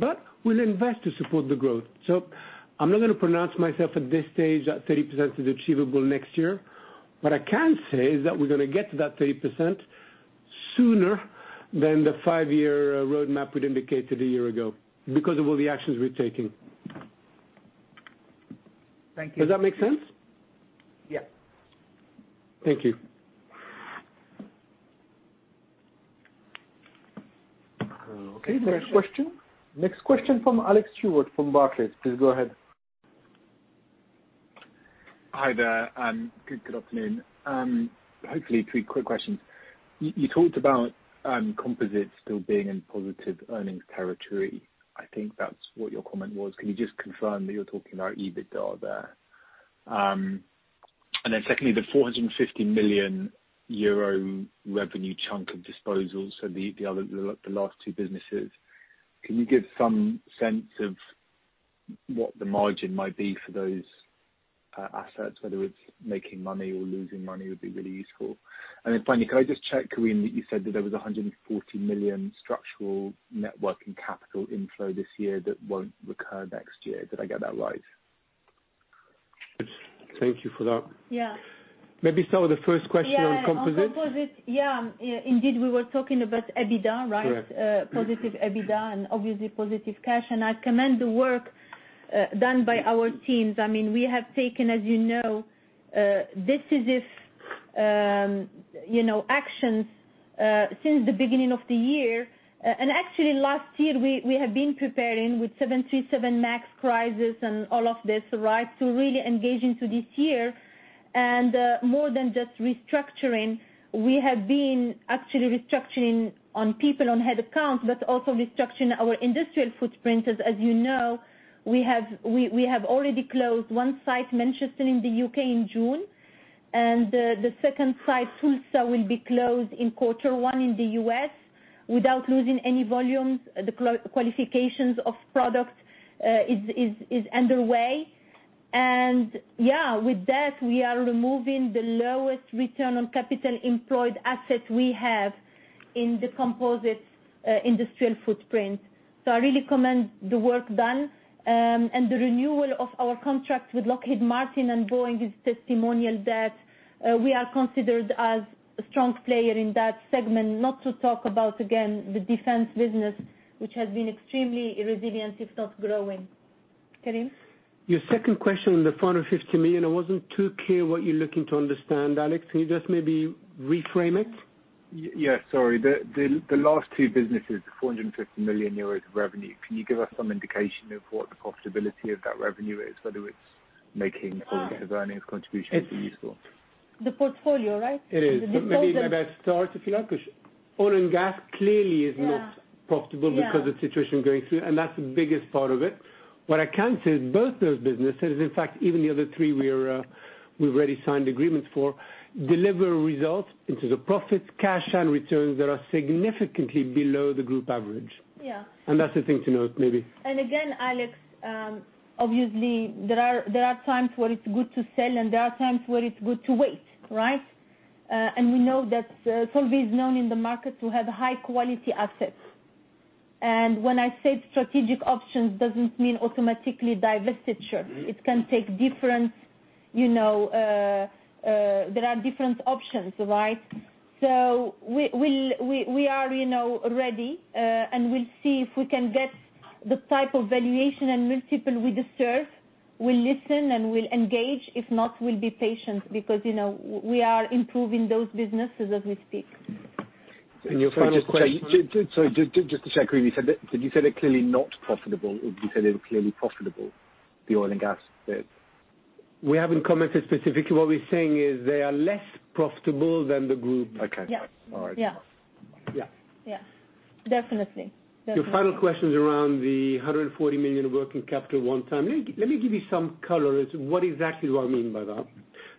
we'll invest to support the growth. I'm not going to pronounce myself at this stage that 30% is achievable next year. What I can say is that we're going to get to that 30% sooner than the five-year roadmap we'd indicated a year ago because of all the actions we're taking. Thank you. Does that make sense? Yeah. Thank you. Okay, next question. Next question from Alex Stewart from Barclays. Please go ahead. Hi there. Good afternoon. Hopefully, three quick questions. You talked about composites still being in positive earnings territory. I think that's what your comment was. Can you just confirm that you're talking about EBITDA there? Secondly, the 450 million euro revenue chunk of disposals, so the last two businesses, can you give some sense of what the margin might be for those assets, whether it's making money or losing money, would be really useful. Finally, can I just check, Karim, that you said that there was a 140 million structural net working capital inflow this year that won't recur next year. Did I get that right? Thank you for that. Yeah. Maybe start with the first question on composites. Yeah, on composite. Yeah. Indeed, we were talking about EBITDA, right? Correct. Positive EBITDA obviously positive cash. I commend the work done by our teams. We have taken, as you know, decisive actions since the beginning of the year. Actually, last year, we have been preparing with 737 MAX crisis and all of this, right? To really engage into this year. More than just restructuring, we have been actually restructuring on people on head counts, but also restructuring our industrial footprint. As you know, we have already closed one site, Manchester in the U.K. in June, and the second site, Tulsa, will be closed in quarter one in the U.S. without losing any volumes. The qualifications of product is underway. Yeah, with that, we are removing the lowest return on capital employed assets we have in the composites industrial footprint. I really commend the work done. The renewal of our contract with Lockheed Martin and Boeing is testimonial that we are considered as a strong player in that segment, not to talk about, again, the defense business, which has been extremely resilient, if not growing. Karim? Your second question on the 450 million, I wasn't too clear what you're looking to understand, Alex. Can you just maybe reframe it? Yes, sorry. The last two businesses, 450 million euros of revenue, can you give us some indication of what the profitability of that revenue is, whether it is making or giving an earnings contribution would be useful. The portfolio, right? It is. Maybe I start if you like, because oil and gas clearly is not profitable because of the situation going through, and that's the biggest part of it. What I can say is both those businesses, in fact, even the other three we already signed agreements for, deliver results into the profits, cash, and returns that are significantly below the group average. Yeah. That's the thing to note, maybe. Again, Alex, obviously there are times where it's good to sell and there are times where it's good to wait, right? We know that Solvay is known in the market to have high quality assets. When I say strategic options doesn't mean automatically divestiture. There are different options. We are ready, and we'll see if we can get the type of valuation and multiple we deserve. We'll listen and we'll engage. If not, we'll be patient because we are improving those businesses as we speak. Your final question. Sorry, just to check, Alex, did you say they're clearly not profitable, or did you say they're clearly profitable, the oil and gas bit? We haven't commented specifically. What we're saying is they are less profitable than the group. Okay. Yes. All right. Yeah. Yeah. Yeah. Definitely. Your final question is around the 140 million working capital one time. Let me give you some color as what exactly do I mean by that.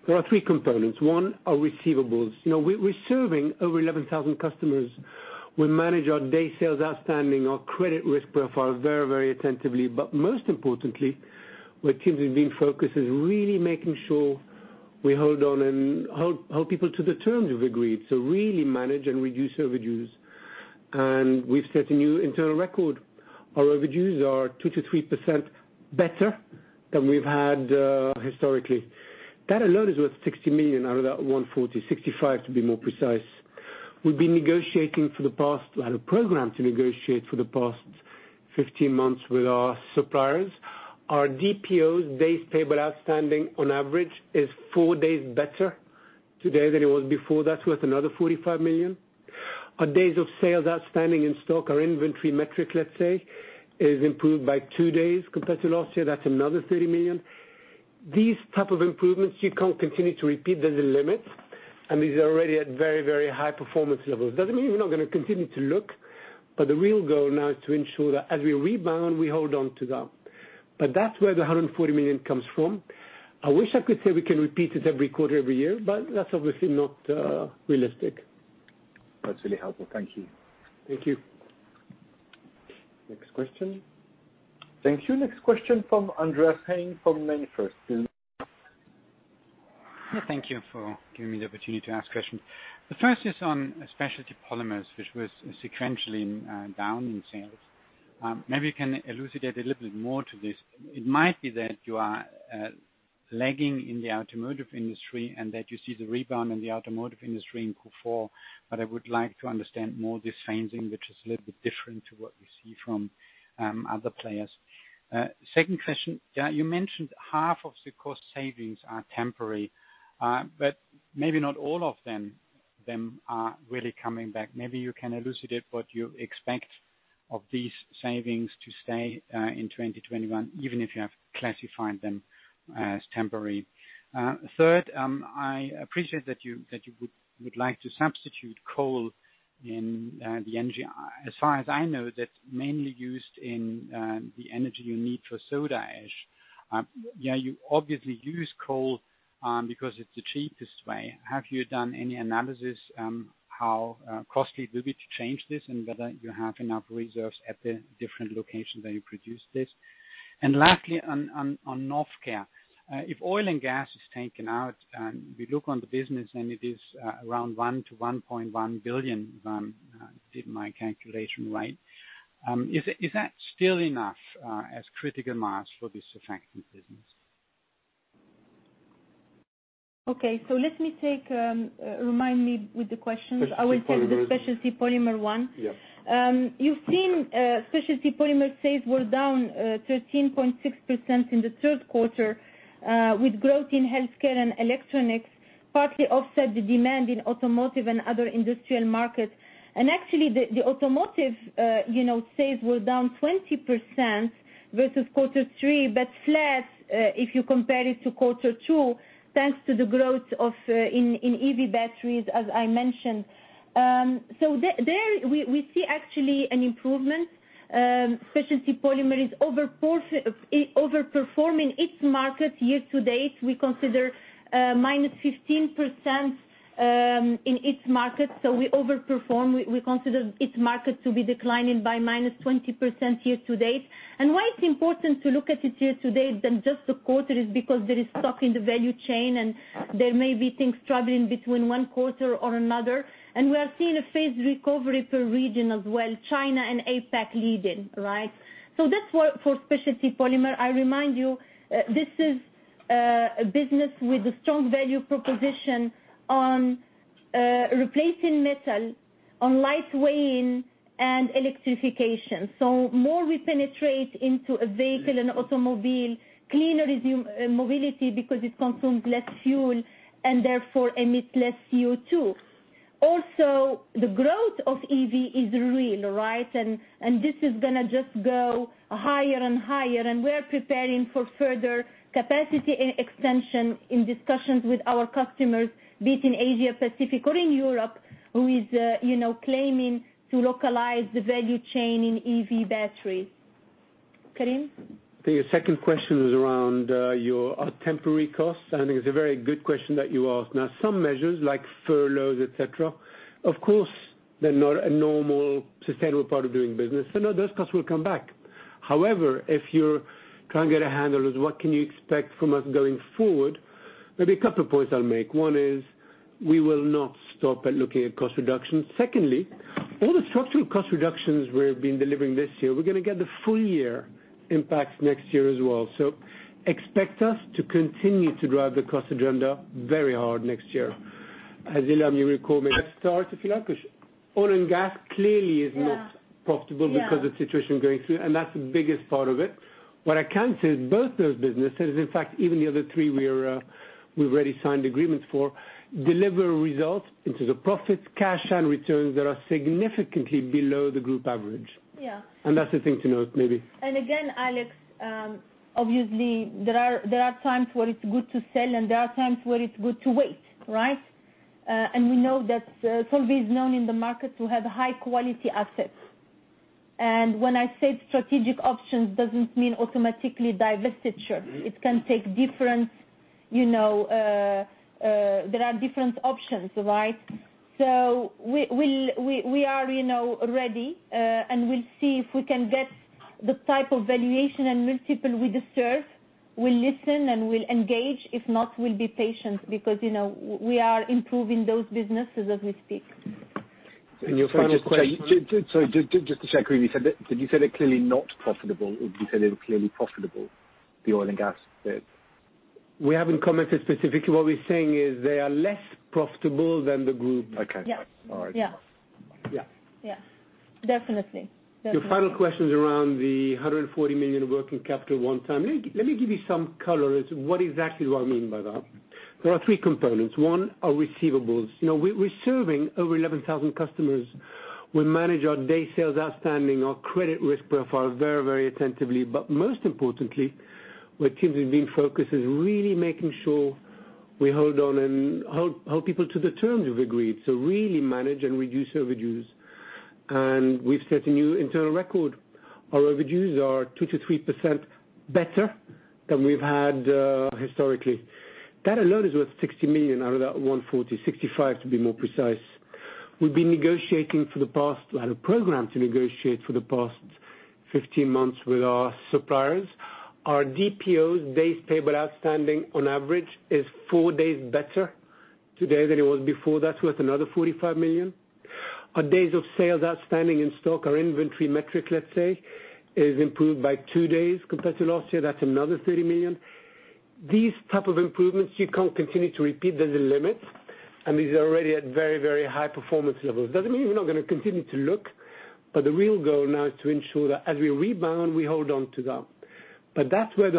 There are three components. One are receivables. We're serving over 11,000 customers. We manage our day sales outstanding, our credit risk profile very attentively. Most importantly, where Timothy's been focused is really making sure we hold on and hold people to the terms we've agreed. Really manage and reduce overdues. We've set a new internal record. Our overages are 2%-3% better than we've had historically. That alone is worth 60 million out of that 140, 65 to be more precise. We've been negotiating for the past, well, programmed to negotiate for the past 15 months with our suppliers. Our DPOs, Days Payable Outstanding on average, is four days better today than it was before. That's worth another 45 million. Our days of sales outstanding in stock, our inventory metric, let's say, is improved by two days compared to last year. That's another 30 million. These type of improvements, you can't continue to repeat. There's a limit. These are already at very high performance levels. Doesn't mean we're not going to continue to look. The real goal now is to ensure that as we rebound, we hold on to that. That's where the 140 million comes from. I wish I could say we can repeat it every quarter, every year. That's obviously not realistic. That's really helpful. Thank you. Thank you. Thank you. Next question from Andreas Heine from MainFirst. Thank you for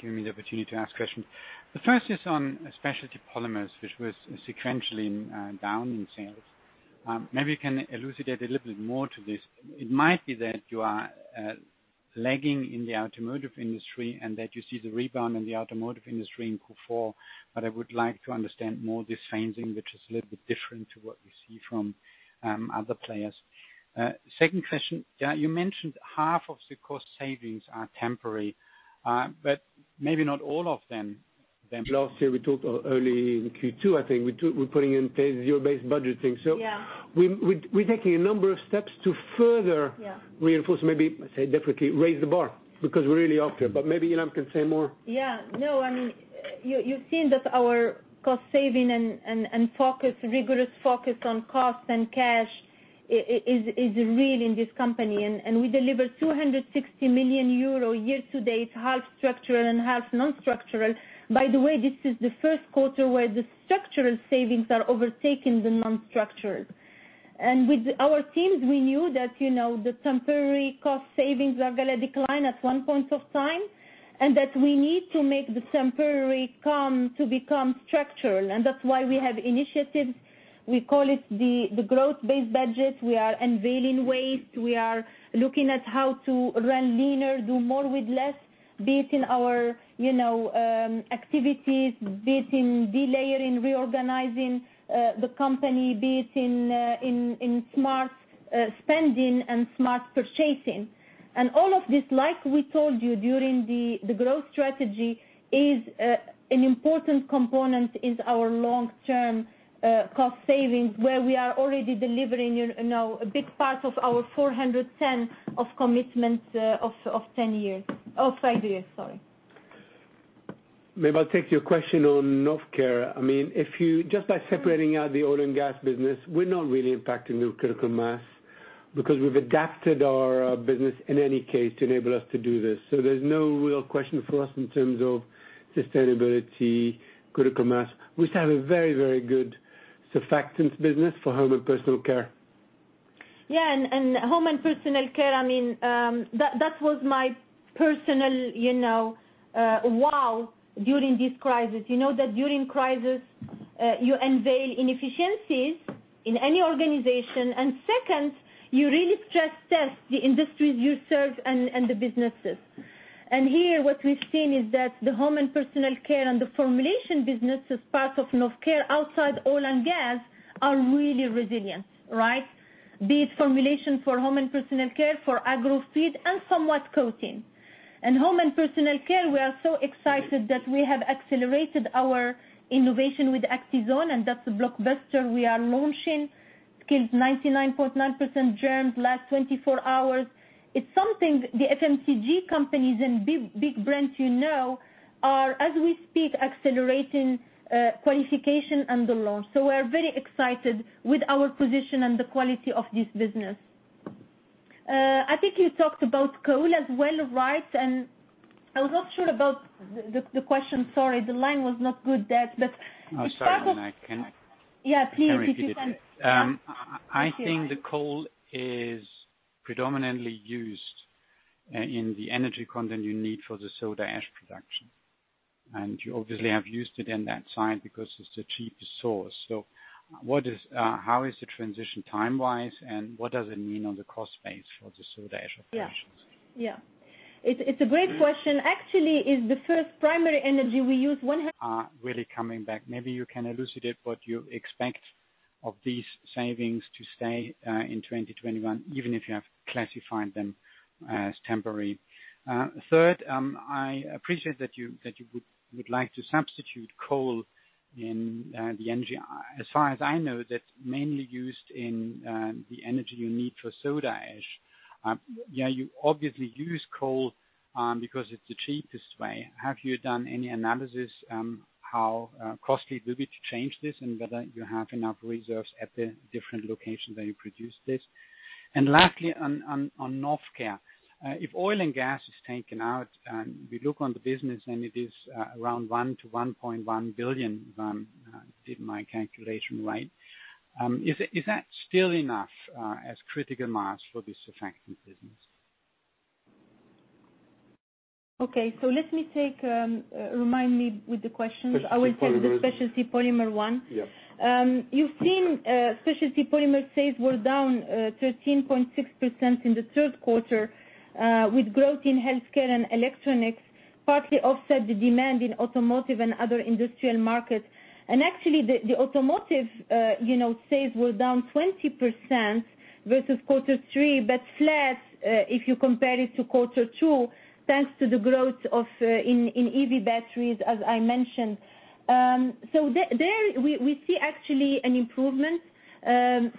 giving me the opportunity to ask questions. The first is on Specialty Polymers, which was sequentially down in sales. Maybe you can elucidate a little bit more to this. It might be that you are lagging in the automotive industry and that you see the rebound in the automotive industry in Q4, but I would like to understand more this changing, which is a little bit different to what we see from other players. Second question. You mentioned half of the cost savings are temporary, but maybe not all of them. Last year, we talked early in Q2, I think, we're putting in place zero-based budgeting. Yeah. We're taking a number of steps to further. Yeah reinforce, maybe say definitely raise the bar because we're really off here. Maybe Ilham can say more. Yeah. You've seen that our cost saving and rigorous focus on cost and cash is real in this company. We delivered 260 million euro year to date, half structural and half non-structural. By the way, this is the first quarter where the structural savings are overtaking the non-structurals. With our teams, we knew that the temporary cost savings are going to decline at one point of time, and that we need to make the temporary come to become structural. That's why we have initiatives. We call it the zero-based budget. We are unveiling waste. We are looking at how to run leaner, do more with less, be it in our activities, be it in delayering, reorganizing the company, be it in smart spending and smart purchasing. All of this, like we told you during the G.R.O.W. strategy, is an important component in our long-term cost savings where we are already delivering a big part of our 410 of commitments of five years. I'll take your question on Novecare. Just by separating out the oil and gas business, we're not really impacting new critical mass because we've adapted our business, in any case, to enable us to do this. There's no real question for us in terms of sustainability, critical mass. We used to have a very, very good surfactants business for home and personal care. Yeah, home and personal care, that was my personal wow during this crisis. You know that during crisis, you unveil inefficiencies in any organization. Second, you really stress-test the industries you serve and the businesses. Here, what we've seen is that the home and personal care and the formulation business as part of Novecare outside oil and gas are really resilient, right? Be it formulation for home and personal care, for agro feed, and somewhat coating. In home and personal care, we are so excited that we have accelerated our innovation with Actizone, and that's a blockbuster we are launching. It kills 99.9% germs, lasts 24 hours. It's something the FMCG companies and big brands you know are, as we speak, accelerating qualification and the launch. We're very excited with our position and the quality of this business. I think you talked about coal as well, right? I was not sure about the question, sorry. The line was not good there. Oh, sorry. Can I? Yeah, please, if you can. Can I repeat it? Yes, you may. I think the coal is predominantly used in the energy content you need for the soda ash production. You obviously have used it in that site because it's the cheapest source. How is the transition time-wise, and what does it mean on the cost base for the soda ash operations? Yeah. It's a great question. Actually, it's the first primary energy we use. Are really coming back. Maybe you can elucidate what you expect of these savings to stay in 2021, even if you have classified them as temporary. I appreciate that you would like to substitute coal in the energy. As far as I know, that's mainly used in the energy you need for soda ash. You obviously use coal because it's the cheapest way. Have you done any analysis on how costly it will be to change this, and whether you have enough reserves at the different locations that you produce this? Lastly, on Novecare. If oil and gas is taken out and we look on the business and it is around 1 billion-1.1 billion, if I did my calculation right, is that still enough as critical mass for this surfactants business? Okay, remind me with the questions. Specialty polymers. I will take the specialty polymer one. Yeah. You've seen specialty polymer sales were down 13.6% in the third quarter, with growth in healthcare and electronics partly offset the demand in automotive and other industrial markets. Actually, the automotive sales were down 20% versus quarter three, but flat, if you compare it to quarter two, thanks to the growth in EV batteries, as I mentioned. There, we see actually an improvement.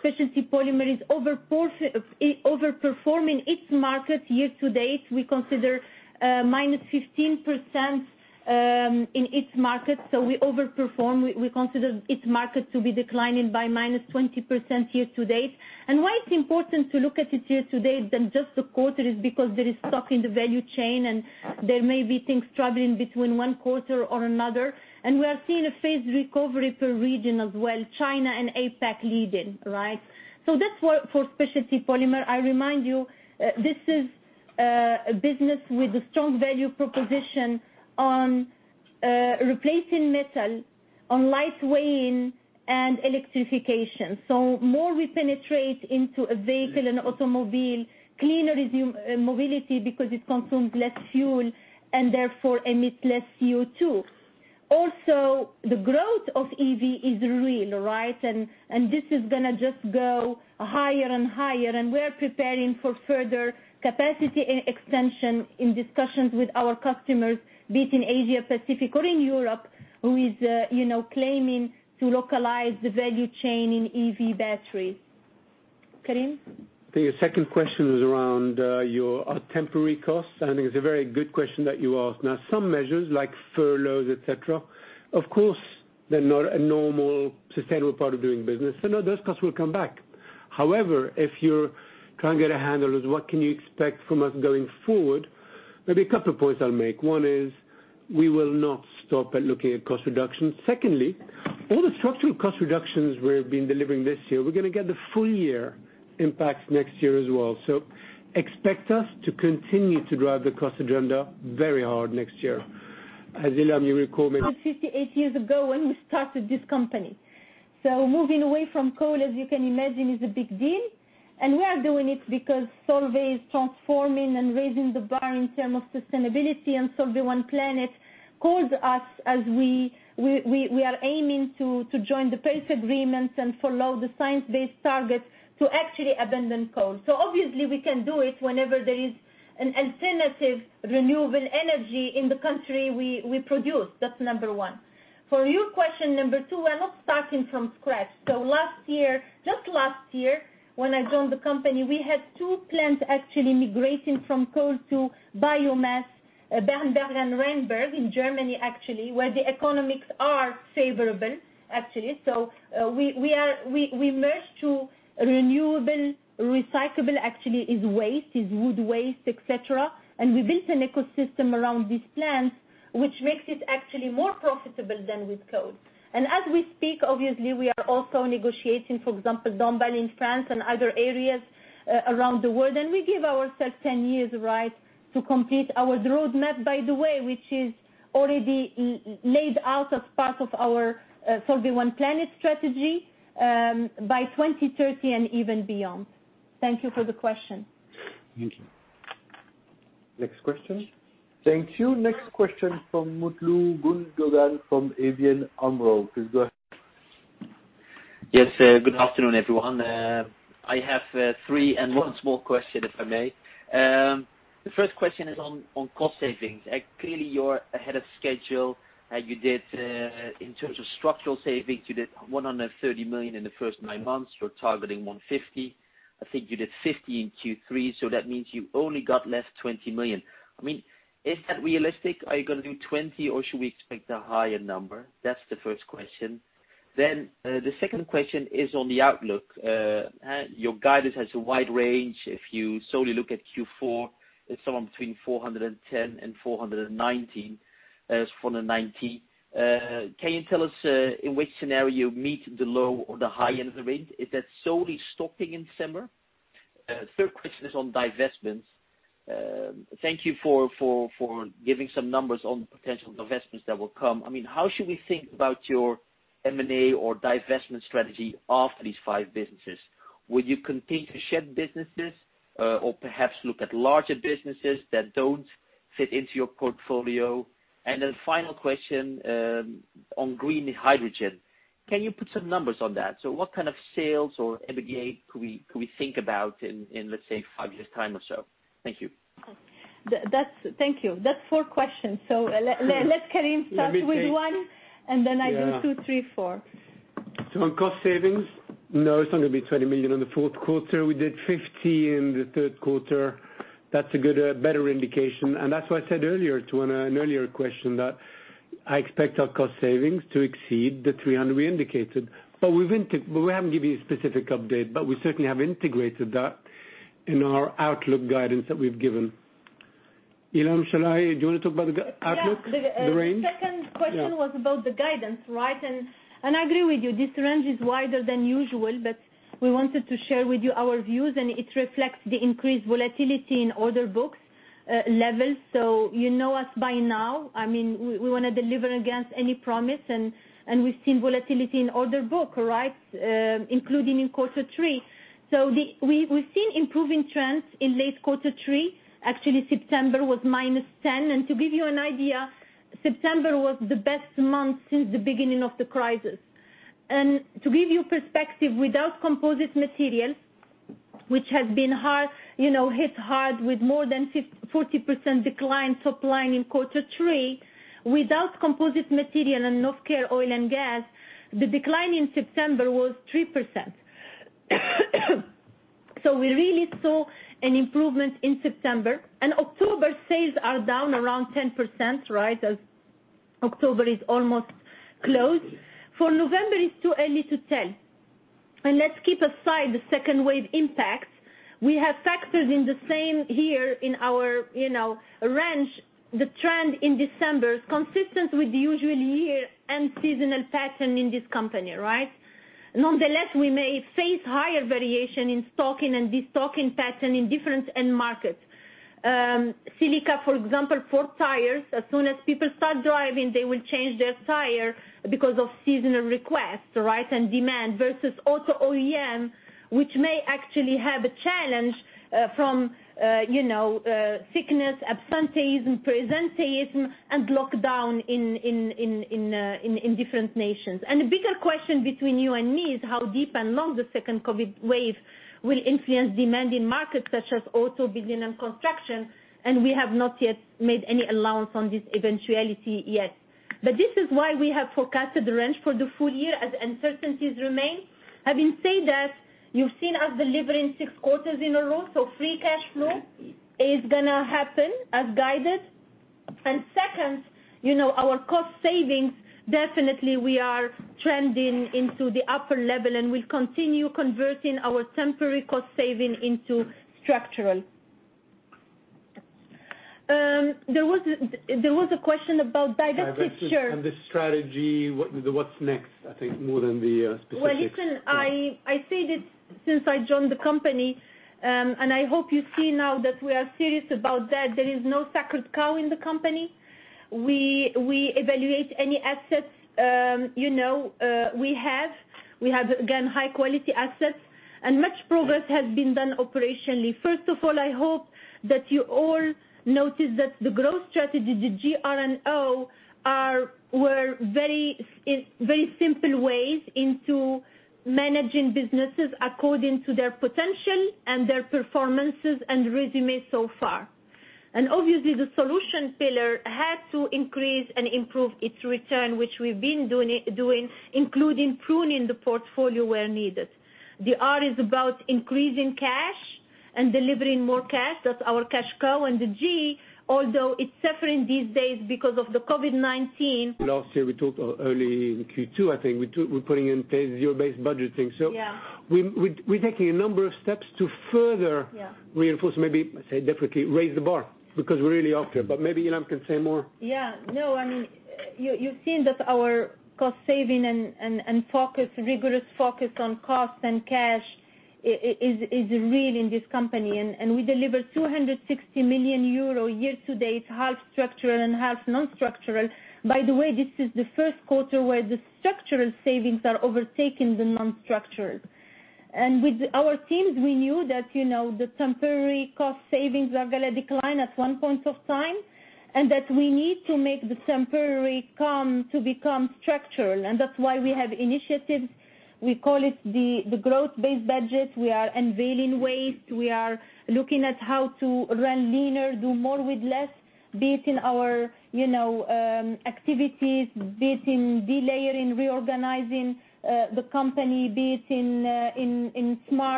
Specialty polymer is over-performing its market year to date. We consider -15% in its market. We over-perform. We consider its market to be declining by -20% year to date. Why it's important to look at it year to date than just the quarter is because there is stock in the value chain, and there may be things traveling between one quarter or another. We are seeing a phased recovery per region as well, China and APAC leading, right? That's for specialty polymer. I remind you, this is a business with a strong value proposition on replacing metal, on lightweighting, and electrification. More we penetrate into a vehicle and automobile, cleaner is mobility because it consumes less fuel and therefore emit less CO2. The growth of EV is real, right? This is going to just go higher and higher, and we're preparing for further capacity extension in discussions with our customers, be it in Asia-Pacific or in Europe, who is claiming to localize the value chain in EV batteries. Karim? I think your second question was around your temporary costs, and I think it's a very good question that you ask. Some measures like furloughs, et cetera, of course, they're not a normal, sustainable part of doing business. No, those costs will come back. However, if you're trying to get a handle as what can you expect from us going forward, maybe a couple of points I'll make. One is, we will not stop at looking at cost reductions. Secondly, all the structural cost reductions we've been delivering this year, we're going to get the full year impact next year as well. Expect us to continue to drive the cost agenda very hard next year. Andreas, you recall maybe. 58 years ago when we started this company. Moving away from coal, as you can imagine, is a big deal, and we are doing it because Solvay is transforming and raising the bar in term of sustainability and Solvay One Planet calls us as we are aiming to join the Paris Agreement and follow the Science Based Targets to actually abandon coal. Obviously, we can do it whenever there is an alternative renewable energy in the country we produce. That's number one. For your question number two, we're not starting from scratch. Last year, just last year, when I joined the company, we had two plants actually migrating from coal to biomass, Bernburg and Rheinberg in Germany actually, where the economics are favorable, actually. We moved to renewable, recyclable actually is waste, is wood waste, et cetera. We built an ecosystem around these plants, which makes it actually more profitable than with coal. As we speak, obviously, we are also negotiating, for example, Dombasle in France and other areas around the world. We give ourselves 10 years, right, to complete our roadmap, by the way, which is already laid out as part of our Solvay One Planet strategy, by 2030 and even beyond. Thank you for the question. Thank you. Next question. Thank you. Next question from Mutlu Gundogan from ABN AMRO. Please go ahead. Yes. Good afternoon, everyone. I have three and one small question, if I may. The first question is on cost savings. Clearly you're ahead of schedule. In terms of structural savings, you did 130 million in the first nine months. You're targeting 150 million. I think you did 50 million in Q3, so that means you only got left 20 million. Is that realistic? Are you going to do 20 million or should we expect a higher number? That's the first question. The second question is on the outlook. Your guidance has a wide range. If you solely look at Q4, it's somewhere between 410 million-490 million. Can you tell us in which scenario you meet the low or the high end of the range? Is that solely stopping in December? Third question is on divestments. Thank you for giving some numbers on potential divestments that will come. How should we think about your M&A or divestment strategy after these five businesses? Will you continue to shed businesses or perhaps look at larger businesses that don't fit into your portfolio? Final question, on green hydrogen. Can you put some numbers on that? What kind of sales or EBITDA could we think about in, let's say five years time or so? Thank you. Thank you. That's four questions. Let Karim start with one, and then I do two, three, four. On cost savings, no, it's not going to be 20 million in the fourth quarter. We did 50 million in the third quarter. That's a better indication. That's why I said earlier to an earlier question that I expect our cost savings to exceed 300 million we indicated. We haven't given you a specific update, but we certainly have integrated that in our outlook guidance that we've given. Ilham,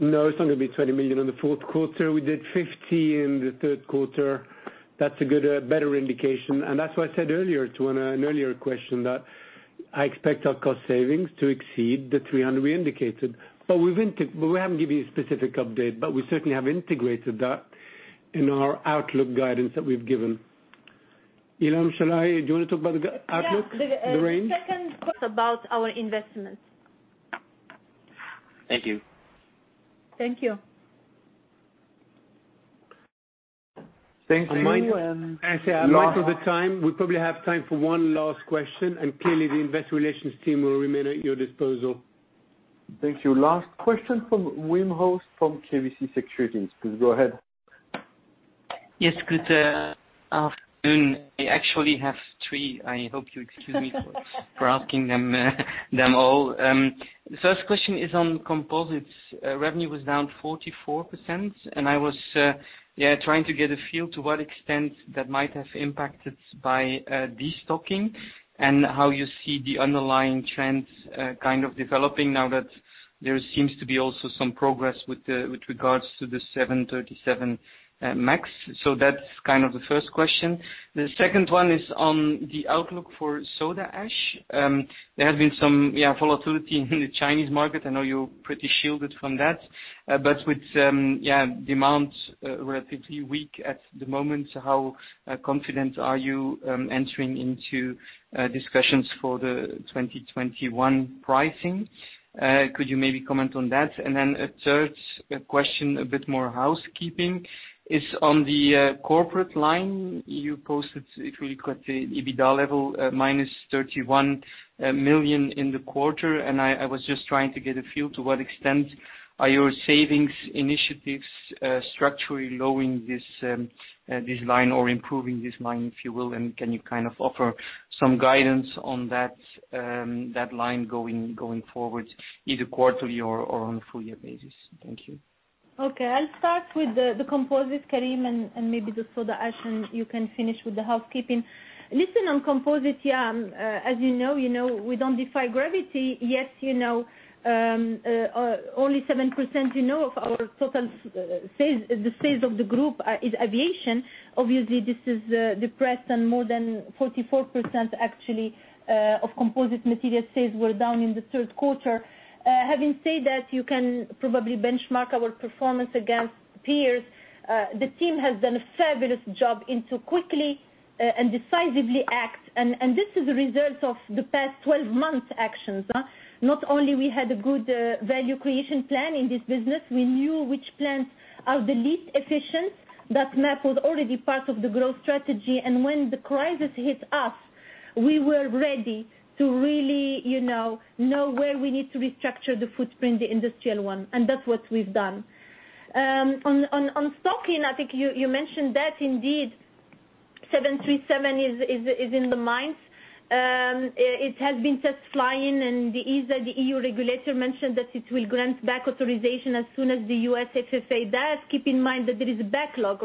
do you want to talk about the outlook, the range? Yeah. The second question about our investments. Thank you. Thank you. Thank you. I might look at the time. We probably have time for one last question. Clearly the investor relations team will remain at your disposal. Thank you. Last question from Wim Hoste from KBC Securities. Please go ahead. Yes. Good afternoon. I actually have three. I hope you excuse me for asking them all. First question is on composites. Revenue was down 44%. I was trying to get a feel to what extent that might have impacted by destocking and how you see the underlying trends kind of developing now that there seems to be also some progress with regards to the 737 MAX. That's kind of the first question. The second one is on the outlook for soda ash. There have been some volatility in the Chinese market. I know you're pretty shielded from that. With demands relatively weak at the moment, how confident are you entering into discussions for the 2021 pricing? Could you maybe comment on that? A third question, a bit more housekeeping, is on the corporate line. You posted, if we look at the EBITDA level, -31 million in the quarter. I was just trying to get a feel to what extent are your savings initiatives structurally lowering this line or improving this line, if you will, and can you offer some guidance on that line going forward either quarterly or on a full year basis? Thank you. Okay. I'll start with the Composites, Karim, maybe the soda ash, and you can finish with the housekeeping. Listen, on Composites, as you know, we don't defy gravity. Yes, only 7% of our total, the sales of the group, is aviation. Obviously, this is depressed more than 44% actually of composites material sales were down in the third quarter. Having said that, you can probably benchmark our performance against peers. The team has done a fabulous job into quickly and decisively act, this is a result of the past 12 months actions. Not only we had a good value creation plan in this business, we knew which plans are the least efficient. That map was already part of the growth strategy, when the crisis hit us, we were ready to really know where we need to restructure the footprint, the industrial one. That's what we've done. On stocking, I think you mentioned that indeed 737 is in the minds. It has been test flying and the EASA, the EU regulator, mentioned that it will grant back authorization as soon as the U.S. FAA does. Keep in mind that there is a backlog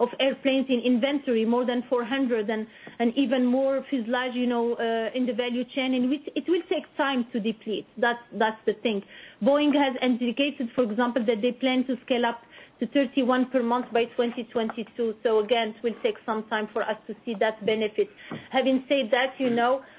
of airplanes in inventory, more than 400, and even more if it's large in the value chain, and it will take time to deplete. That's the thing. Boeing has indicated, for example, that they plan to scale up to 31 per month by 2022. Again, it will take some time for us to see that benefit. Having said that,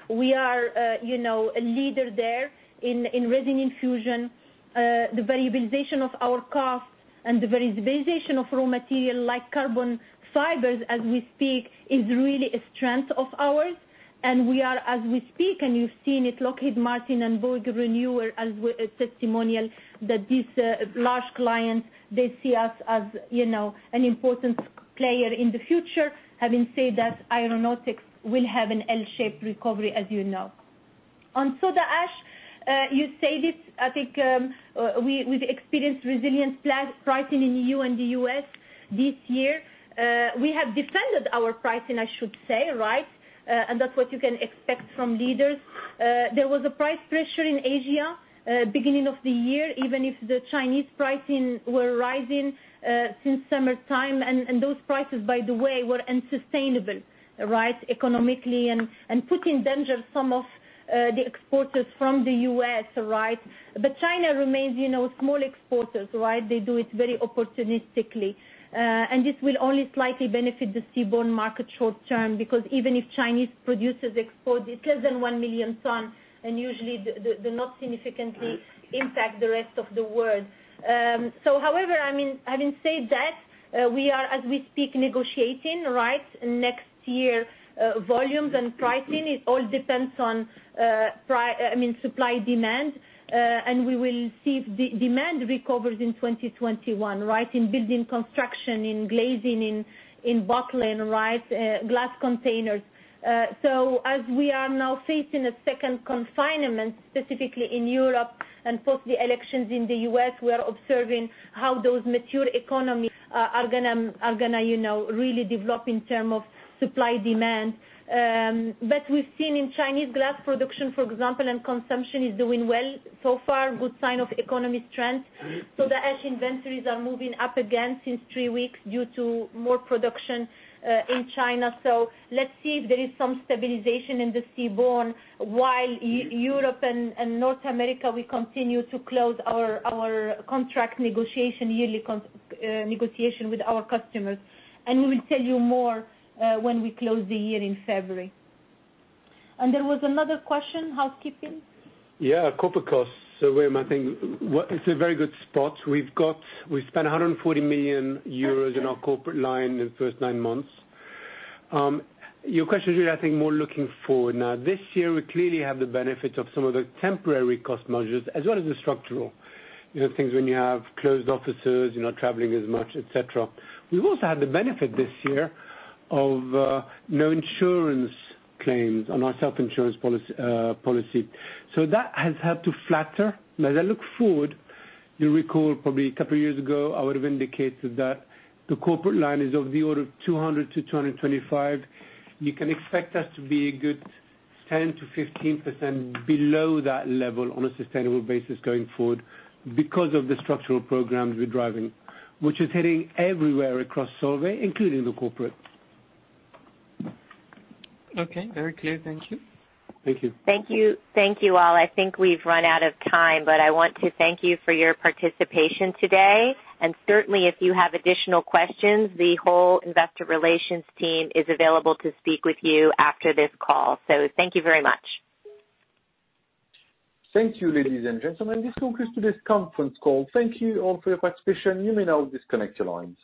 we are a leader there in resin infusion. The variabilization of our costs and the variabilization of raw material like carbon fibers as we speak is really a strength of ours. We are, as we speak, and you've seen it, Lockheed Martin and Boeing renew a testimonial that these large clients, they see us as an important player in the future. Having said that, aeronautics will have an L-shaped recovery, as you know. On soda ash, you say this, I think, we've experienced resilient pricing in EU and the U.S. this year. We have defended our pricing, I should say. That's what you can expect from leaders. There was a price pressure in Asia, beginning of the year, even if the Chinese pricing were rising since summertime. Those prices, by the way, were unsustainable economically and put in danger some of the exporters from the U.S. China remains small exporters. They do it very opportunistically. This will only slightly benefit the seaborne market short-term, because even if Chinese producers export, it's less than 1 million tons, and usually do not significantly impact the rest of the world. However, having said that, we are, as we speak, negotiating next year volumes and pricing. It all depends on supply, demand. We will see if demand recovers in 2021 in building construction, in glazing, in bottling, glass containers. As we are now facing a second confinement, specifically in Europe and post the elections in the U.S., we are observing how those mature economies are going to really develop in terms of supply, demand. We've seen in Chinese glass production, for example, and consumption is doing well so far. Good sign of economy strength. Soda ash inventories are moving up again since three weeks due to more production in China. Let's see if there is some stabilization in the seaborne while Europe and North America, we continue to close our contract negotiation yearly, negotiation with our customers. We will tell you more when we close the year in February. There was another question, housekeeping? Yeah. Corporate costs. Wim, I think it's a very good spot. We've spent 140 million euros in our corporate line in the first nine months. Your question is really, I think, more looking forward now. This year, we clearly have the benefit of some of the temporary cost measures as well as the structural, things when you have closed offices, you're not traveling as much, et cetera. We've also had the benefit this year of no insurance claims on our self-insurance policy. That has helped to flatter. Now, as I look forward, you'll recall probably a couple of years ago, I would've indicated that the corporate line is of the order of 200-225. You can expect us to be a good 10%-15% below that level on a sustainable basis going forward because of the structural programs we're driving, which is hitting everywhere across Solvay, including the corporate. Okay. Very clear. Thank you. Thank you. Thank you. Thank you, all. I think we've run out of time, but I want to thank you for your participation today. Certainly, if you have additional questions, the whole investor relations team is available to speak with you after this call. Thank you very much. Thank you, ladies and gentlemen. This concludes today's conference call. Thank you all for your participation. You may now disconnect your lines.